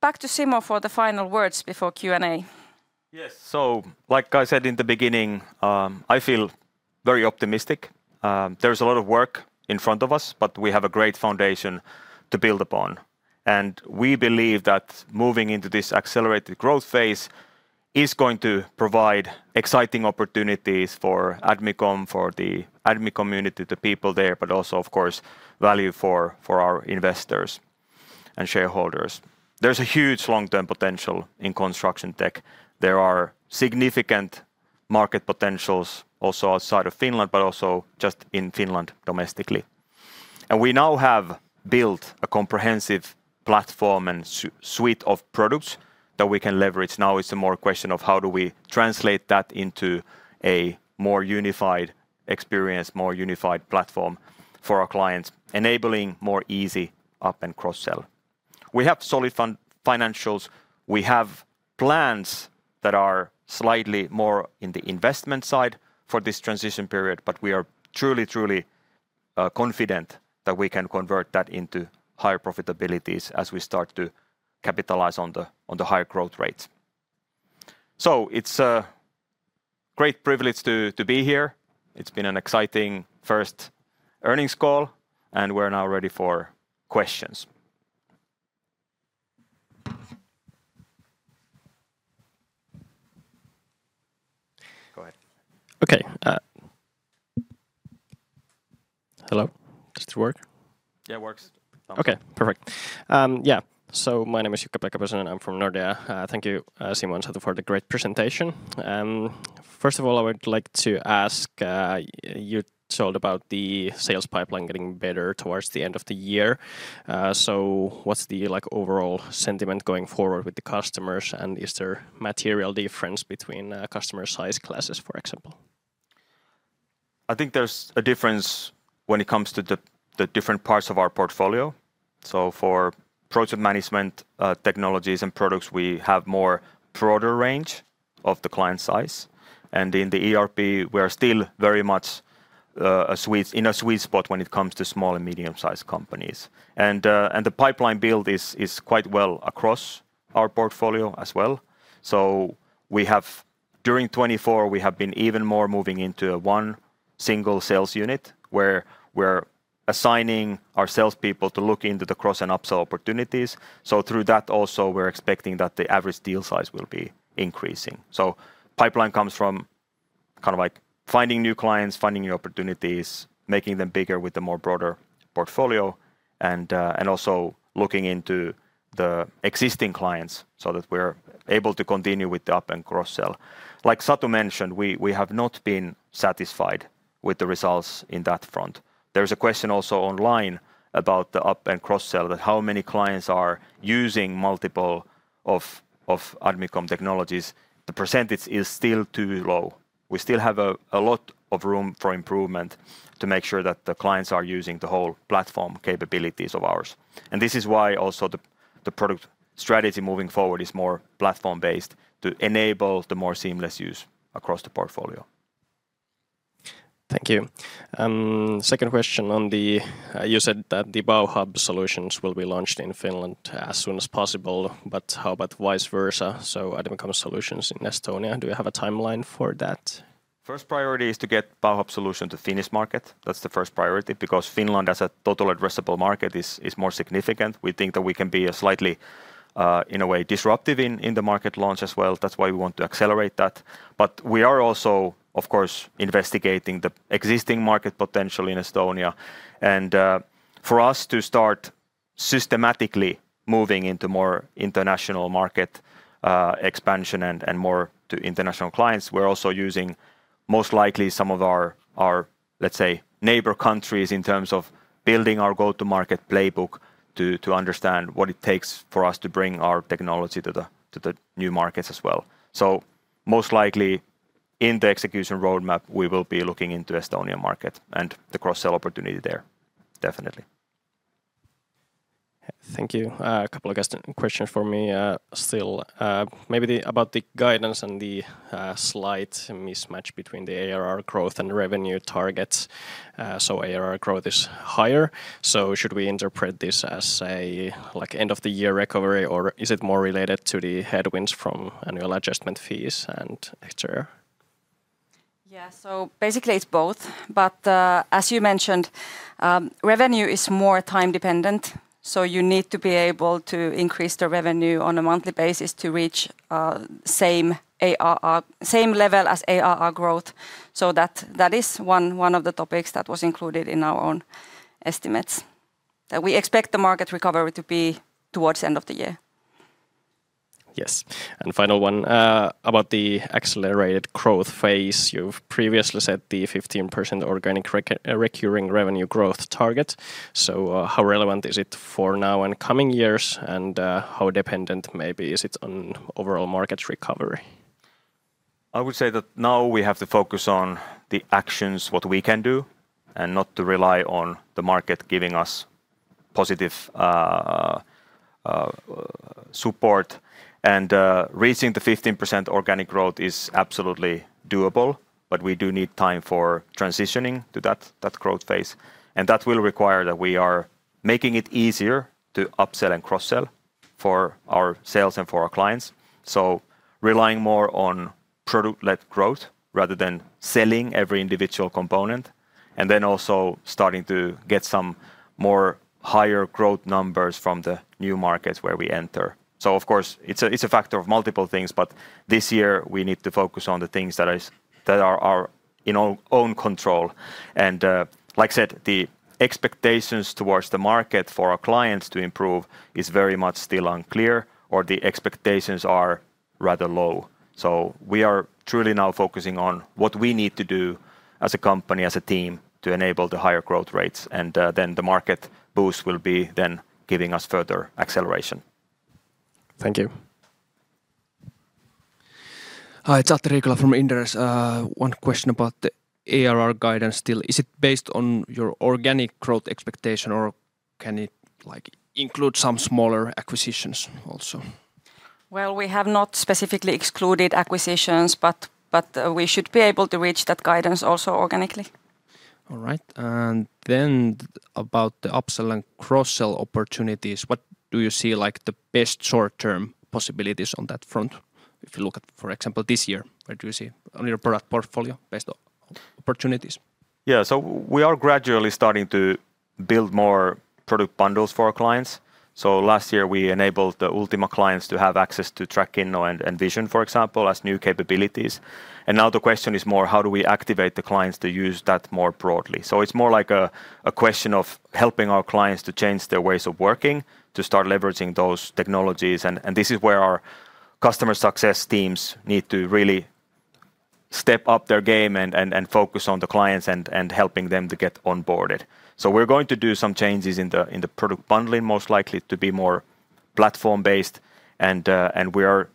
back to Simo for the final words before Q&A. Yes, so like I said in the beginning, I feel very optimistic. There's a lot of work in front of us, but we have a great foundation to build upon, and we believe that moving into this accelerated growth phase is going to provide exciting opportunities for Admicom, for the Admicom community, the people there, but also, of course, value for our investors and shareholders. There's a huge long-term potential in construction tech. There are significant market potentials also outside of Finland, but also just in Finland domestically, and we now have built a comprehensive platform and suite of products that we can leverage. Now it's a more question of how do we translate that into a more unified experience, more unified platform for our clients, enabling more easy up and cross-sell. We have solid financials. We have plans that are slightly more in the investment side for this transition period, but we are truly, truly confident that we can convert that into higher profitabilities as we start to capitalize on the higher growth rates. So it's a great privilege to be here. It's been an exciting first earnings call, and we're now ready for questions. Go ahead. Okay. Hello. Does this work? Yeah, it works. Okay, perfect. Yeah, so my name is Jukka-Pekka Pesonen and I'm from Nordea. Thank you, Simo and Satu, for the great presentation. First of all, I would like to ask you. You told about the sales pipeline getting better towards the end of the year. So what's the overall sentiment going forward with the customers, and is there material difference between customer size classes, for example? I think there's a difference when it comes to the different parts of our portfolio. So for project management technologies and products, we have more broader range of the client size. And in the ERP, we are still very much in a sweet spot when it comes to small and medium-sized companies. And the pipeline build is quite well across our portfolio as well. So during 2024, we have been even more moving into a one single sales unit where we're assigning our salespeople to look into the cross and upsell opportunities. So through that also, we're expecting that the average deal size will be increasing. Pipeline comes from kind of like finding new clients, finding new opportunities, making them bigger with a more broader portfolio, and also looking into the existing clients so that we're able to continue with the up and cross-sell. Like Satu mentioned, we have not been satisfied with the results in that front. There's a question also online about the up and cross-sell, that how many clients are using multiple of Admicom technologies. The percentage is still too low. We still have a lot of room for improvement to make sure that the clients are using the whole platform capabilities of ours. And this is why also the product strategy moving forward is more platform-based to enable the more seamless use across the portfolio. Thank you. Second question on the, you said that the Bauhub solutions will be launched in Finland as soon as possible, but how about vice versa? So Admicom solutions in Estonia, do you have a timeline for that? First priority is to get Bauhub solution to Finnish market. That's the first priority because Finland, as a total addressable market, is more significant. We think that we can be slightly, in a way, disruptive in the market launch as well. That's why we want to accelerate that. But we are also, of course, investigating the existing market potential in Estonia. And for us to start systematically moving into more international market expansion and more to international clients, we're also using most likely some of our, let's say, neighbor countries in terms of building our go-to-market playbook to understand what it takes for us to bring our technology to the new markets as well. So most likely in the execution roadmap, we will be looking into the Estonian market and the cross-sell opportunity there, definitely. Thank you. A couple of questions for me still. Maybe about the guidance and the slight mismatch between the ARR growth and revenue targets. So ARR growth is higher. So should we interpret this as an end-of-the-year recovery, or is it more related to the headwinds from annual adjustment fees and etc.? Yeah, so basically it's both. But as you mentioned, revenue is more time-dependent. So you need to be able to increase the revenue on a monthly basis to reach the same level as ARR growth. So that is one of the topics that was included in our own estimates. We expect the market recovery to be towards the end of the year. Yes. And final one about the accelerated growth phase. You've previously said the 15% organic recurring revenue growth target. So, how relevant is it for now and coming years, and how dependent maybe is it on overall market recovery? I would say that now we have to focus on the actions, what we can do, and not to rely on the market giving us positive support. And reaching the 15% organic growth is absolutely doable, but we do need time for transitioning to that growth phase. And that will require that we are making it easier to upsell and cross-sell for our sales and for our clients. So, relying more on product-led growth rather than selling every individual component. And then also starting to get some more higher growth numbers from the new markets where we enter. So, of course, it's a factor of multiple things, but this year we need to focus on the things that are in our own control. Like I said, the expectations towards the market for our clients to improve is very much still unclear, or the expectations are rather low. We are truly now focusing on what we need to do as a company, as a team, to enable the higher growth rates. The market boost will be then giving us further acceleration. Thank you. Hi, Atte Riikola from Inderes. One question about the ARR guidance still. Is it based on your organic growth expectation, or can it include some smaller acquisitions also? We have not specifically excluded acquisitions, but we should be able to reach that guidance also organically. All right. About the upsell and cross-sell opportunities, what do you see like the best short-term possibilities on that front? If you look at, for example, this year, what do you see on your product portfolio based on opportunities? Yeah, so we are gradually starting to build more product bundles for our clients. So last year, we enabled the Ultima clients to have access to Trackinno and Vision, for example, as new capabilities. And now the question is more, how do we activate the clients to use that more broadly? So it's more like a question of helping our clients to change their ways of working, to start leveraging those technologies. And this is where our customer success teams need to really step up their game and focus on the clients and helping them to get onboarded. So we're going to do some changes in the product bundling, most likely to be more platform-based. And we are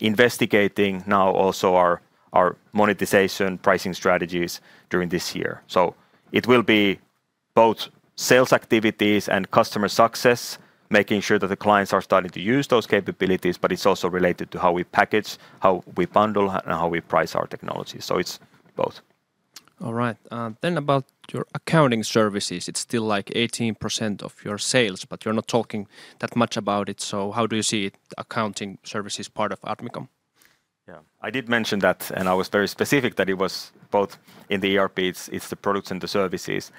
investigating now also our monetization pricing strategies during this year. So it will be both sales activities and customer success, making sure that the clients are starting to use those capabilities, but it's also related to how we package, how we bundle, and how we price our technology. So it's both. All right. Then about your accounting services, it's still like 18% of your sales, but you're not talking that much about it. So how do you see accounting services part of Admicom? Yeah, I did mention that, and I was very specific that it was both in the ERPs, it's the products and the services.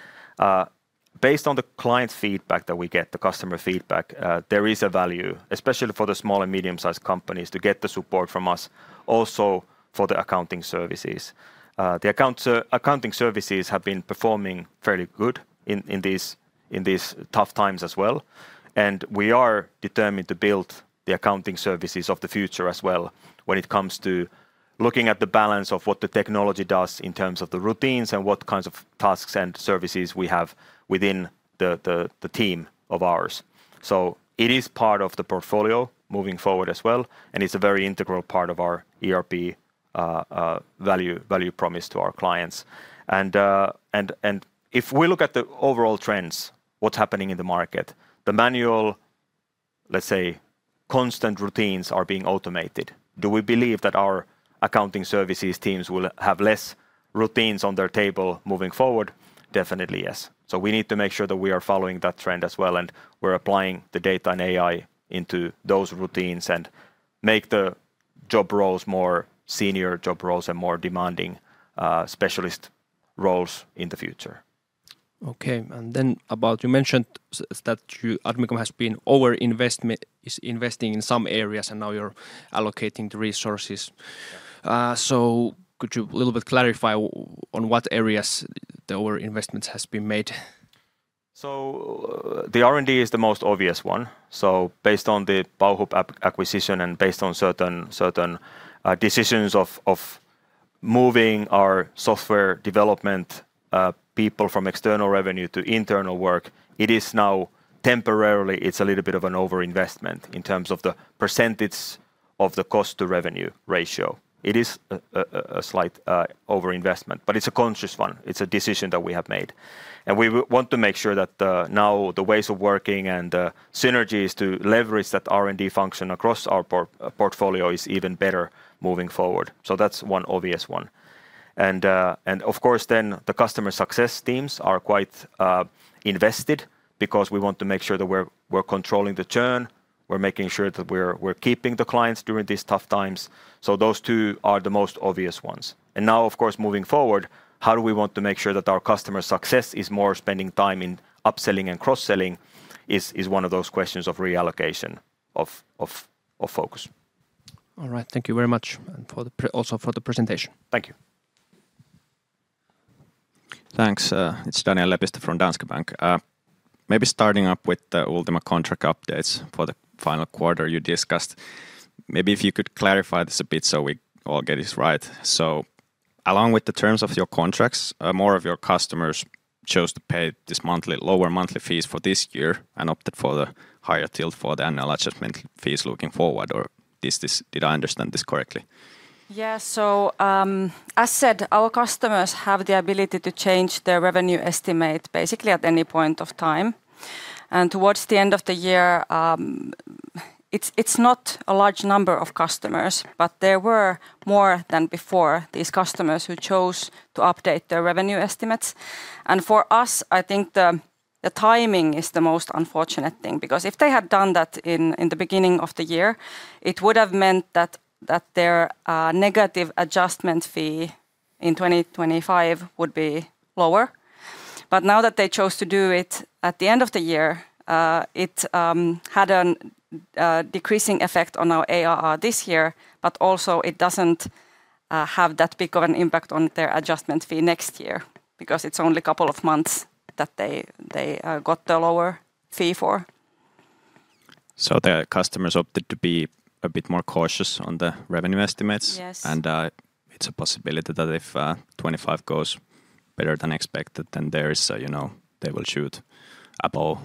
Based on the client feedback that we get, the customer feedback, there is a value, especially for the small and medium-sized companies, to get the support from us, also for the accounting services. The accounting services have been performing fairly good in these tough times as well. And we are determined to build the accounting services of the future as well when it comes to looking at the balance of what the technology does in terms of the routines and what kinds of tasks and services we have within the team of ours. So it is part of the portfolio moving forward as well, and it's a very integral part of our ERP value promise to our clients. And if we look at the overall trends, what's happening in the market, the manual, let's say, constant routines are being automated. Do we believe that our accounting services teams will have less routines on their table moving forward? Definitely yes. So we need to make sure that we are following that trend as well, and we're applying the data and AI into those routines and make the job roles more senior job roles and more demanding specialist roles in the future. Okay. And then about you mentioned that Admicom has been over-investing in some areas, and now you're allocating the resources. So could you a little bit clarify on what areas the over-investment has been made? So the R&D is the most obvious one. So based on the Bauhub acquisition and based on certain decisions of moving our software development people from external revenue to internal work, it is now temporarily, it's a little bit of an over-investment in terms of the percentage of the cost-to-revenue ratio. It is a slight over-investment, but it's a conscious one. It's a decision that we have made. We want to make sure that now the ways of working and the synergies to leverage that R&D function across our portfolio is even better moving forward. So that's one obvious one. And of course, then the customer success teams are quite invested because we want to make sure that we're controlling the churn, we're making sure that we're keeping the clients during these tough times. So those two are the most obvious ones. And now, of course, moving forward, how do we want to make sure that our customer success is more spending time in upselling and cross-selling is one of those questions of reallocation of focus. All right. Thank you very much also for the presentation. Thank you. Thanks. It's Daniel Lepistö from Danske Bank. Maybe starting up with the Ultima contract updates for the final quarter you discussed. Maybe if you could clarify this a bit so we all get this right, so along with the terms of your contracts, more of your customers chose to pay the lower monthly fees for this year and opted for the higher tilt for the annual adjustment fees looking forward, or did I understand this correctly? Yeah, so as said, our customers have the ability to change their revenue estimate basically at any point of time, and towards the end of the year, it's not a large number of customers, but there were more than before these customers who chose to update their revenue estimates, and for us, I think the timing is the most unfortunate thing because if they had done that in the beginning of the year, it would have meant that their negative adjustment fee in 2025 would be lower. But now that they chose to do it at the end of the year, it had a decreasing effect on our ARR this year, but also it doesn't have that big of an impact on their adjustment fee next year because it's only a couple of months that they got the lower fee for. So the customers opted to be a bit more cautious on the revenue estimates. And it's a possibility that if 2025 goes better than expected, then there is, they will shoot above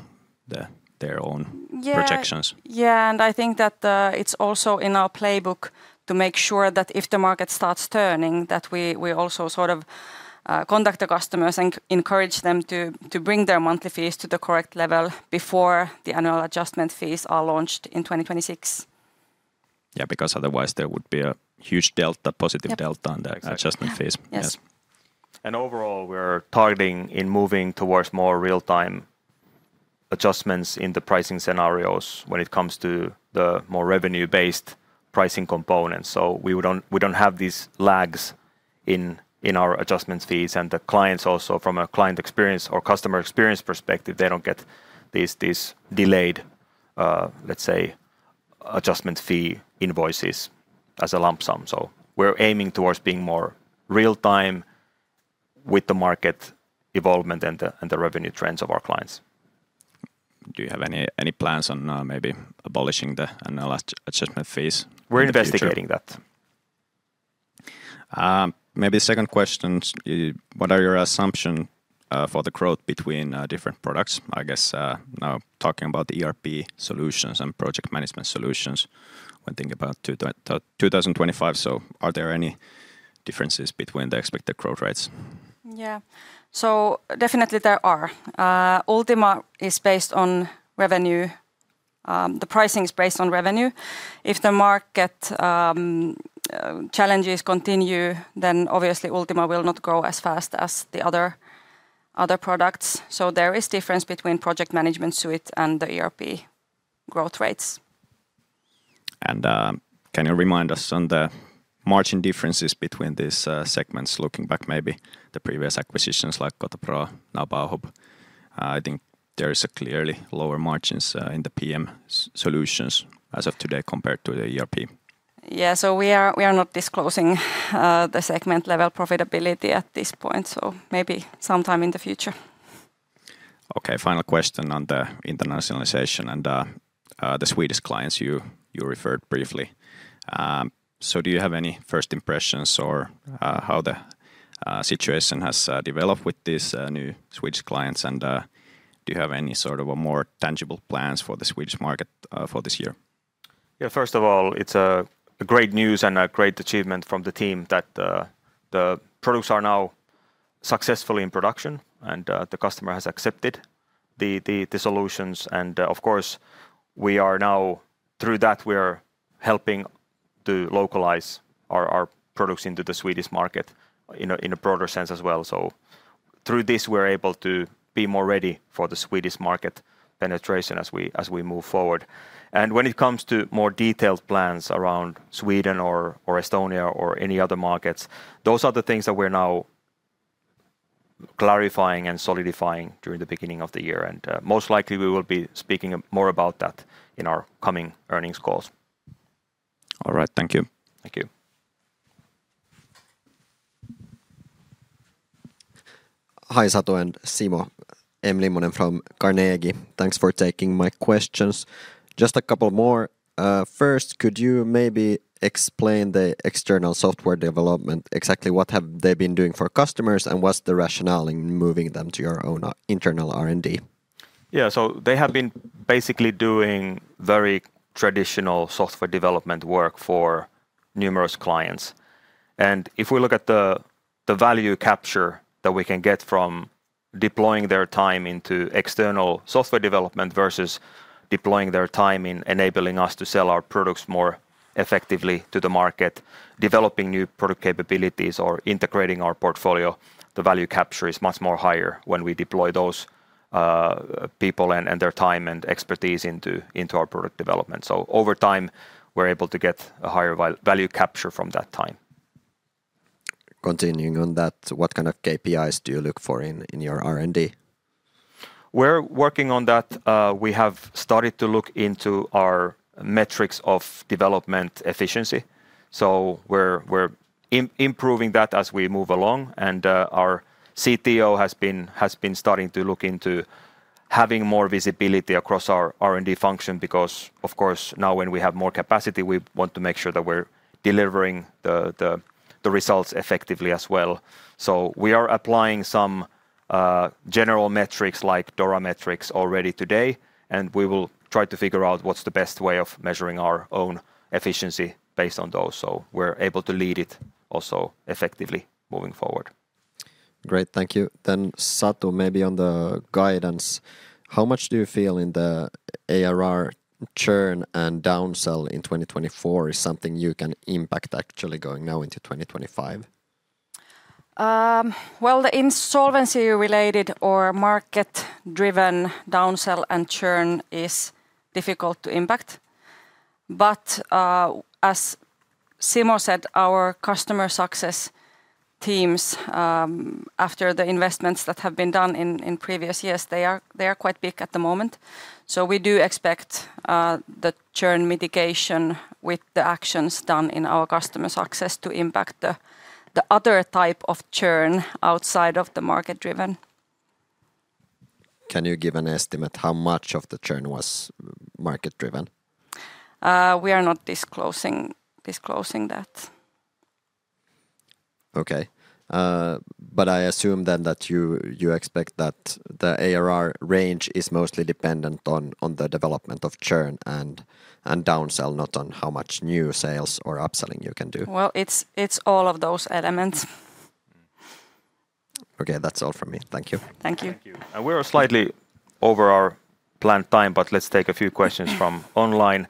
their own projections. Yeah, and I think that it's also in our playbook to make sure that if the market starts turning, that we also sort of contact the customers and encourage them to bring their monthly fees to the correct level before the annual adjustment fees are launched in 2026. Yeah, because otherwise there would be a huge delta, positive delta on the adjustment fees. Yes. And overall, we're targeting in moving towards more real-time adjustments in the pricing scenarios when it comes to the more revenue-based pricing components. So we don't have these lags in our adjustment fees. And the clients also from a client experience or customer experience perspective, they don't get these delayed, let's say, adjustment fee invoices as a lump sum. So we're aiming towards being more real-time with the market evolvement and the revenue trends of our clients. Do you have any plans on maybe abolishing the annual adjustment fees? We're investigating that. Maybe second questions, what are your assumptions for the growth between different products? I guess now talking about ERP solutions and project management solutions when thinking about 2025, so are there any differences between the expected growth rates? Yeah, so definitely there are. Ultima is based on revenue. The pricing is based on revenue. If the market challenges continue, then obviously Ultima will not grow as fast as the other products. So there is difference between project management suite and the ERP growth rates. And can you remind us on the margin differences between these segments looking back maybe the previous acquisitions like Kotopro, now Bauhub? I think there are clearly lower margins in the PM solutions as of today compared to the ERP. Yeah, so we are not disclosing the segment level profitability at this point, so maybe sometime in the future. Okay, final question on the internationalization and the Swedish clients you referred briefly. So do you have any first impressions or how the situation has developed with these new Swedish clients? Do you have any sort of more tangible plans for the Swedish market for this year? Yeah, first of all, it's great news and a great achievement from the team that the products are now successful in production and the customer has accepted the solutions. And of course, we are now through that, we are helping to localize our products into the Swedish market in a broader sense as well. So through this, we're able to be more ready for the Swedish market penetration as we move forward. And when it comes to more detailed plans around Sweden or Estonia or any other markets, those are the things that we're now clarifying and solidifying during the beginning of the year. And most likely we will be speaking more about that in our coming earnings calls. All right, thank you. Thank you. Hi, Satu and Simo. Emil Immonen from Carnegie. Thanks for taking my questions. Just a couple more. First, could you maybe explain the external software development? Exactly what have they been doing for customers and what's the rationale in moving them to your own internal R&D? Yeah, so they have been basically doing very traditional software development work for numerous clients. And if we look at the value capture that we can get from deploying their time into external software development versus deploying their time in enabling us to sell our products more effectively to the market, developing new product capabilities or integrating our portfolio, the value capture is much more higher when we deploy those people and their time and expertise into our product development. So over time, we're able to get a higher value capture from that time. Continuing on that, what kind of KPIs do you look for in your R&D? We're working on that. We have started to look into our metrics of development efficiency. So we're improving that as we move along. And our CTO has been starting to look into having more visibility across our R&D function because, of course, now when we have more capacity, we want to make sure that we're delivering the results effectively as well. So we are applying some general metrics like DORA metrics already today, and we will try to figure out what's the best way of measuring our own efficiency based on those. So we're able to lead it also effectively moving forward. Great, thank you. Then Satu, maybe on the guidance, how much do you feel in the ARR churn and downsell in 2024 is something you can impact actually going now into 2025? Well, the insolvency-related or market-driven downsell and churn is difficult to impact. But as Simo said, our customer success teams, after the investments that have been done in previous years, they are quite big at the moment. So we do expect the churn mitigation with the actions done in our customer success to impact the other type of churn outside of the market-driven. Can you give an estimate how much of the churn was market-driven? We are not disclosing that. Okay, but I assume then that you expect that the ARR range is mostly dependent on the development of churn and downsell, not on how much new sales or upselling you can do. Well, it's all of those elements. Okay, that's all from me. Thank you. Thank you. And we're slightly over our planned time, but let's take a few questions from online.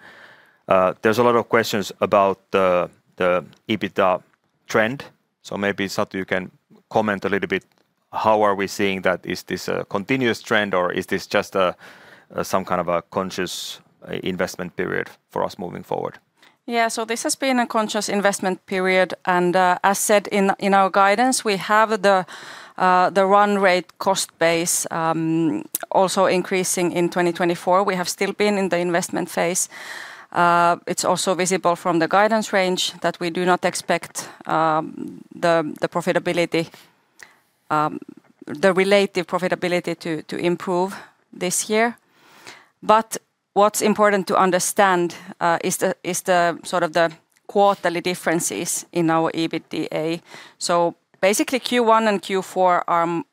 There's a lot of questions about the EBITDA trend. So maybe Satu, you can comment a little bit. How are we seeing that? Is this a continuous trend or is this just some kind of a conscious investment period for us moving forward? Yeah, so this has been a conscious investment period. And as said in our guidance, we have the run rate cost base also increasing in 2024. We have still been in the investment phase. It's also visible from the guidance range that we do not expect the relative profitability to improve this year. But what's important to understand is the sort of the quarterly differences in our EBITDA. So basically Q1 and Q4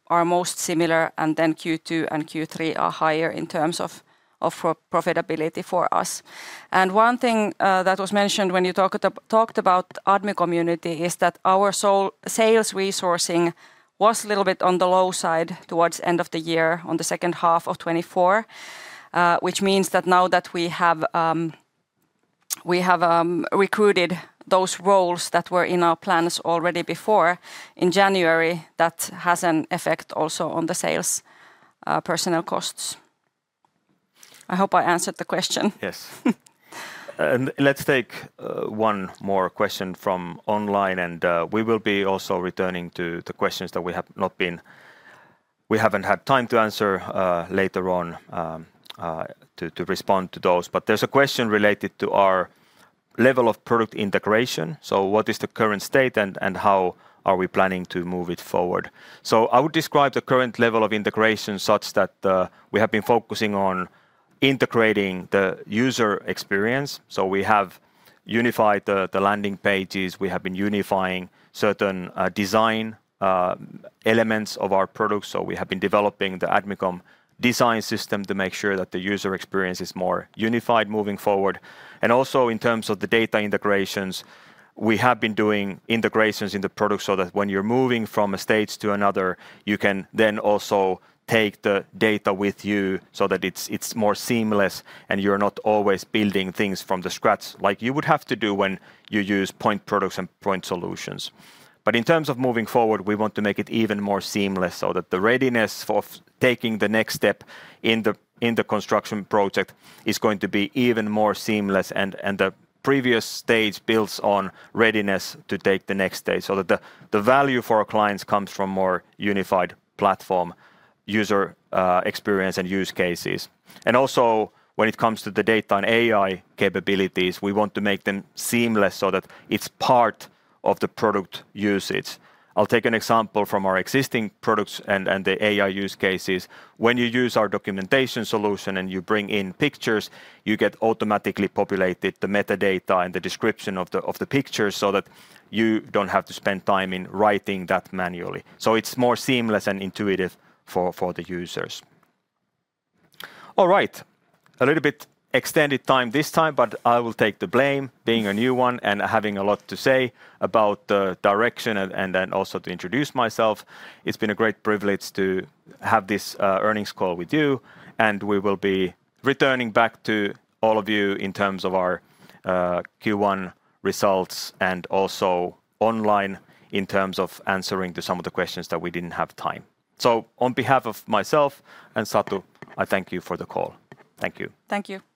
are most similar, and then Q2 and Q3 are higher in terms of profitability for us. One thing that was mentioned when you talked about Admicom community is that our sales resourcing was a little bit on the low side towards the end of the year on the second half of 2024, which means that now that we have recruited those roles that were in our plans already before in January, that has an effect also on the sales personnel costs. I hope I answered the question. Yes. Let's take one more question from online, and we will be also returning to the questions that we have not been, we haven't had time to answer later on to respond to those. But there's a question related to our level of product integration. So what is the current state and how are we planning to move it forward? I would describe the current level of integration such that we have been focusing on integrating the user experience. We have unified the landing pages. We have been unifying certain design elements of our products. We have been developing the Admicom Design System to make sure that the user experience is more unified moving forward. And also in terms of the data integrations, we have been doing integrations in the product so that when you're moving from a stage to another, you can then also take the data with you so that it's more seamless and you're not always building things from scratch like you would have to do when you use point products and point solutions. But in terms of moving forward, we want to make it even more seamless so that the readiness of taking the next step in the construction project is going to be even more seamless. And the previous stage builds on readiness to take the next stage so that the value for our clients comes from more unified platform user experience and use cases. And also when it comes to the data and AI capabilities, we want to make them seamless so that it's part of the product usage. I'll take an example from our existing products and the AI use cases. When you use our documentation solution and you bring in pictures, you get automatically populated the metadata and the description of the pictures so that you don't have to spend time in writing that manually. So it's more seamless and intuitive for the users. All right, a little bit extended time this time, but I will take the blame being a new one and having a lot to say about the direction and then also to introduce myself. It's been a great privilege to have this earnings call with you, and we will be returning back to all of you in terms of our Q1 results and also online in terms of answering some of the questions that we didn't have time, so on behalf of myself and Satu, I thank you for the call. Thank you. Thank you.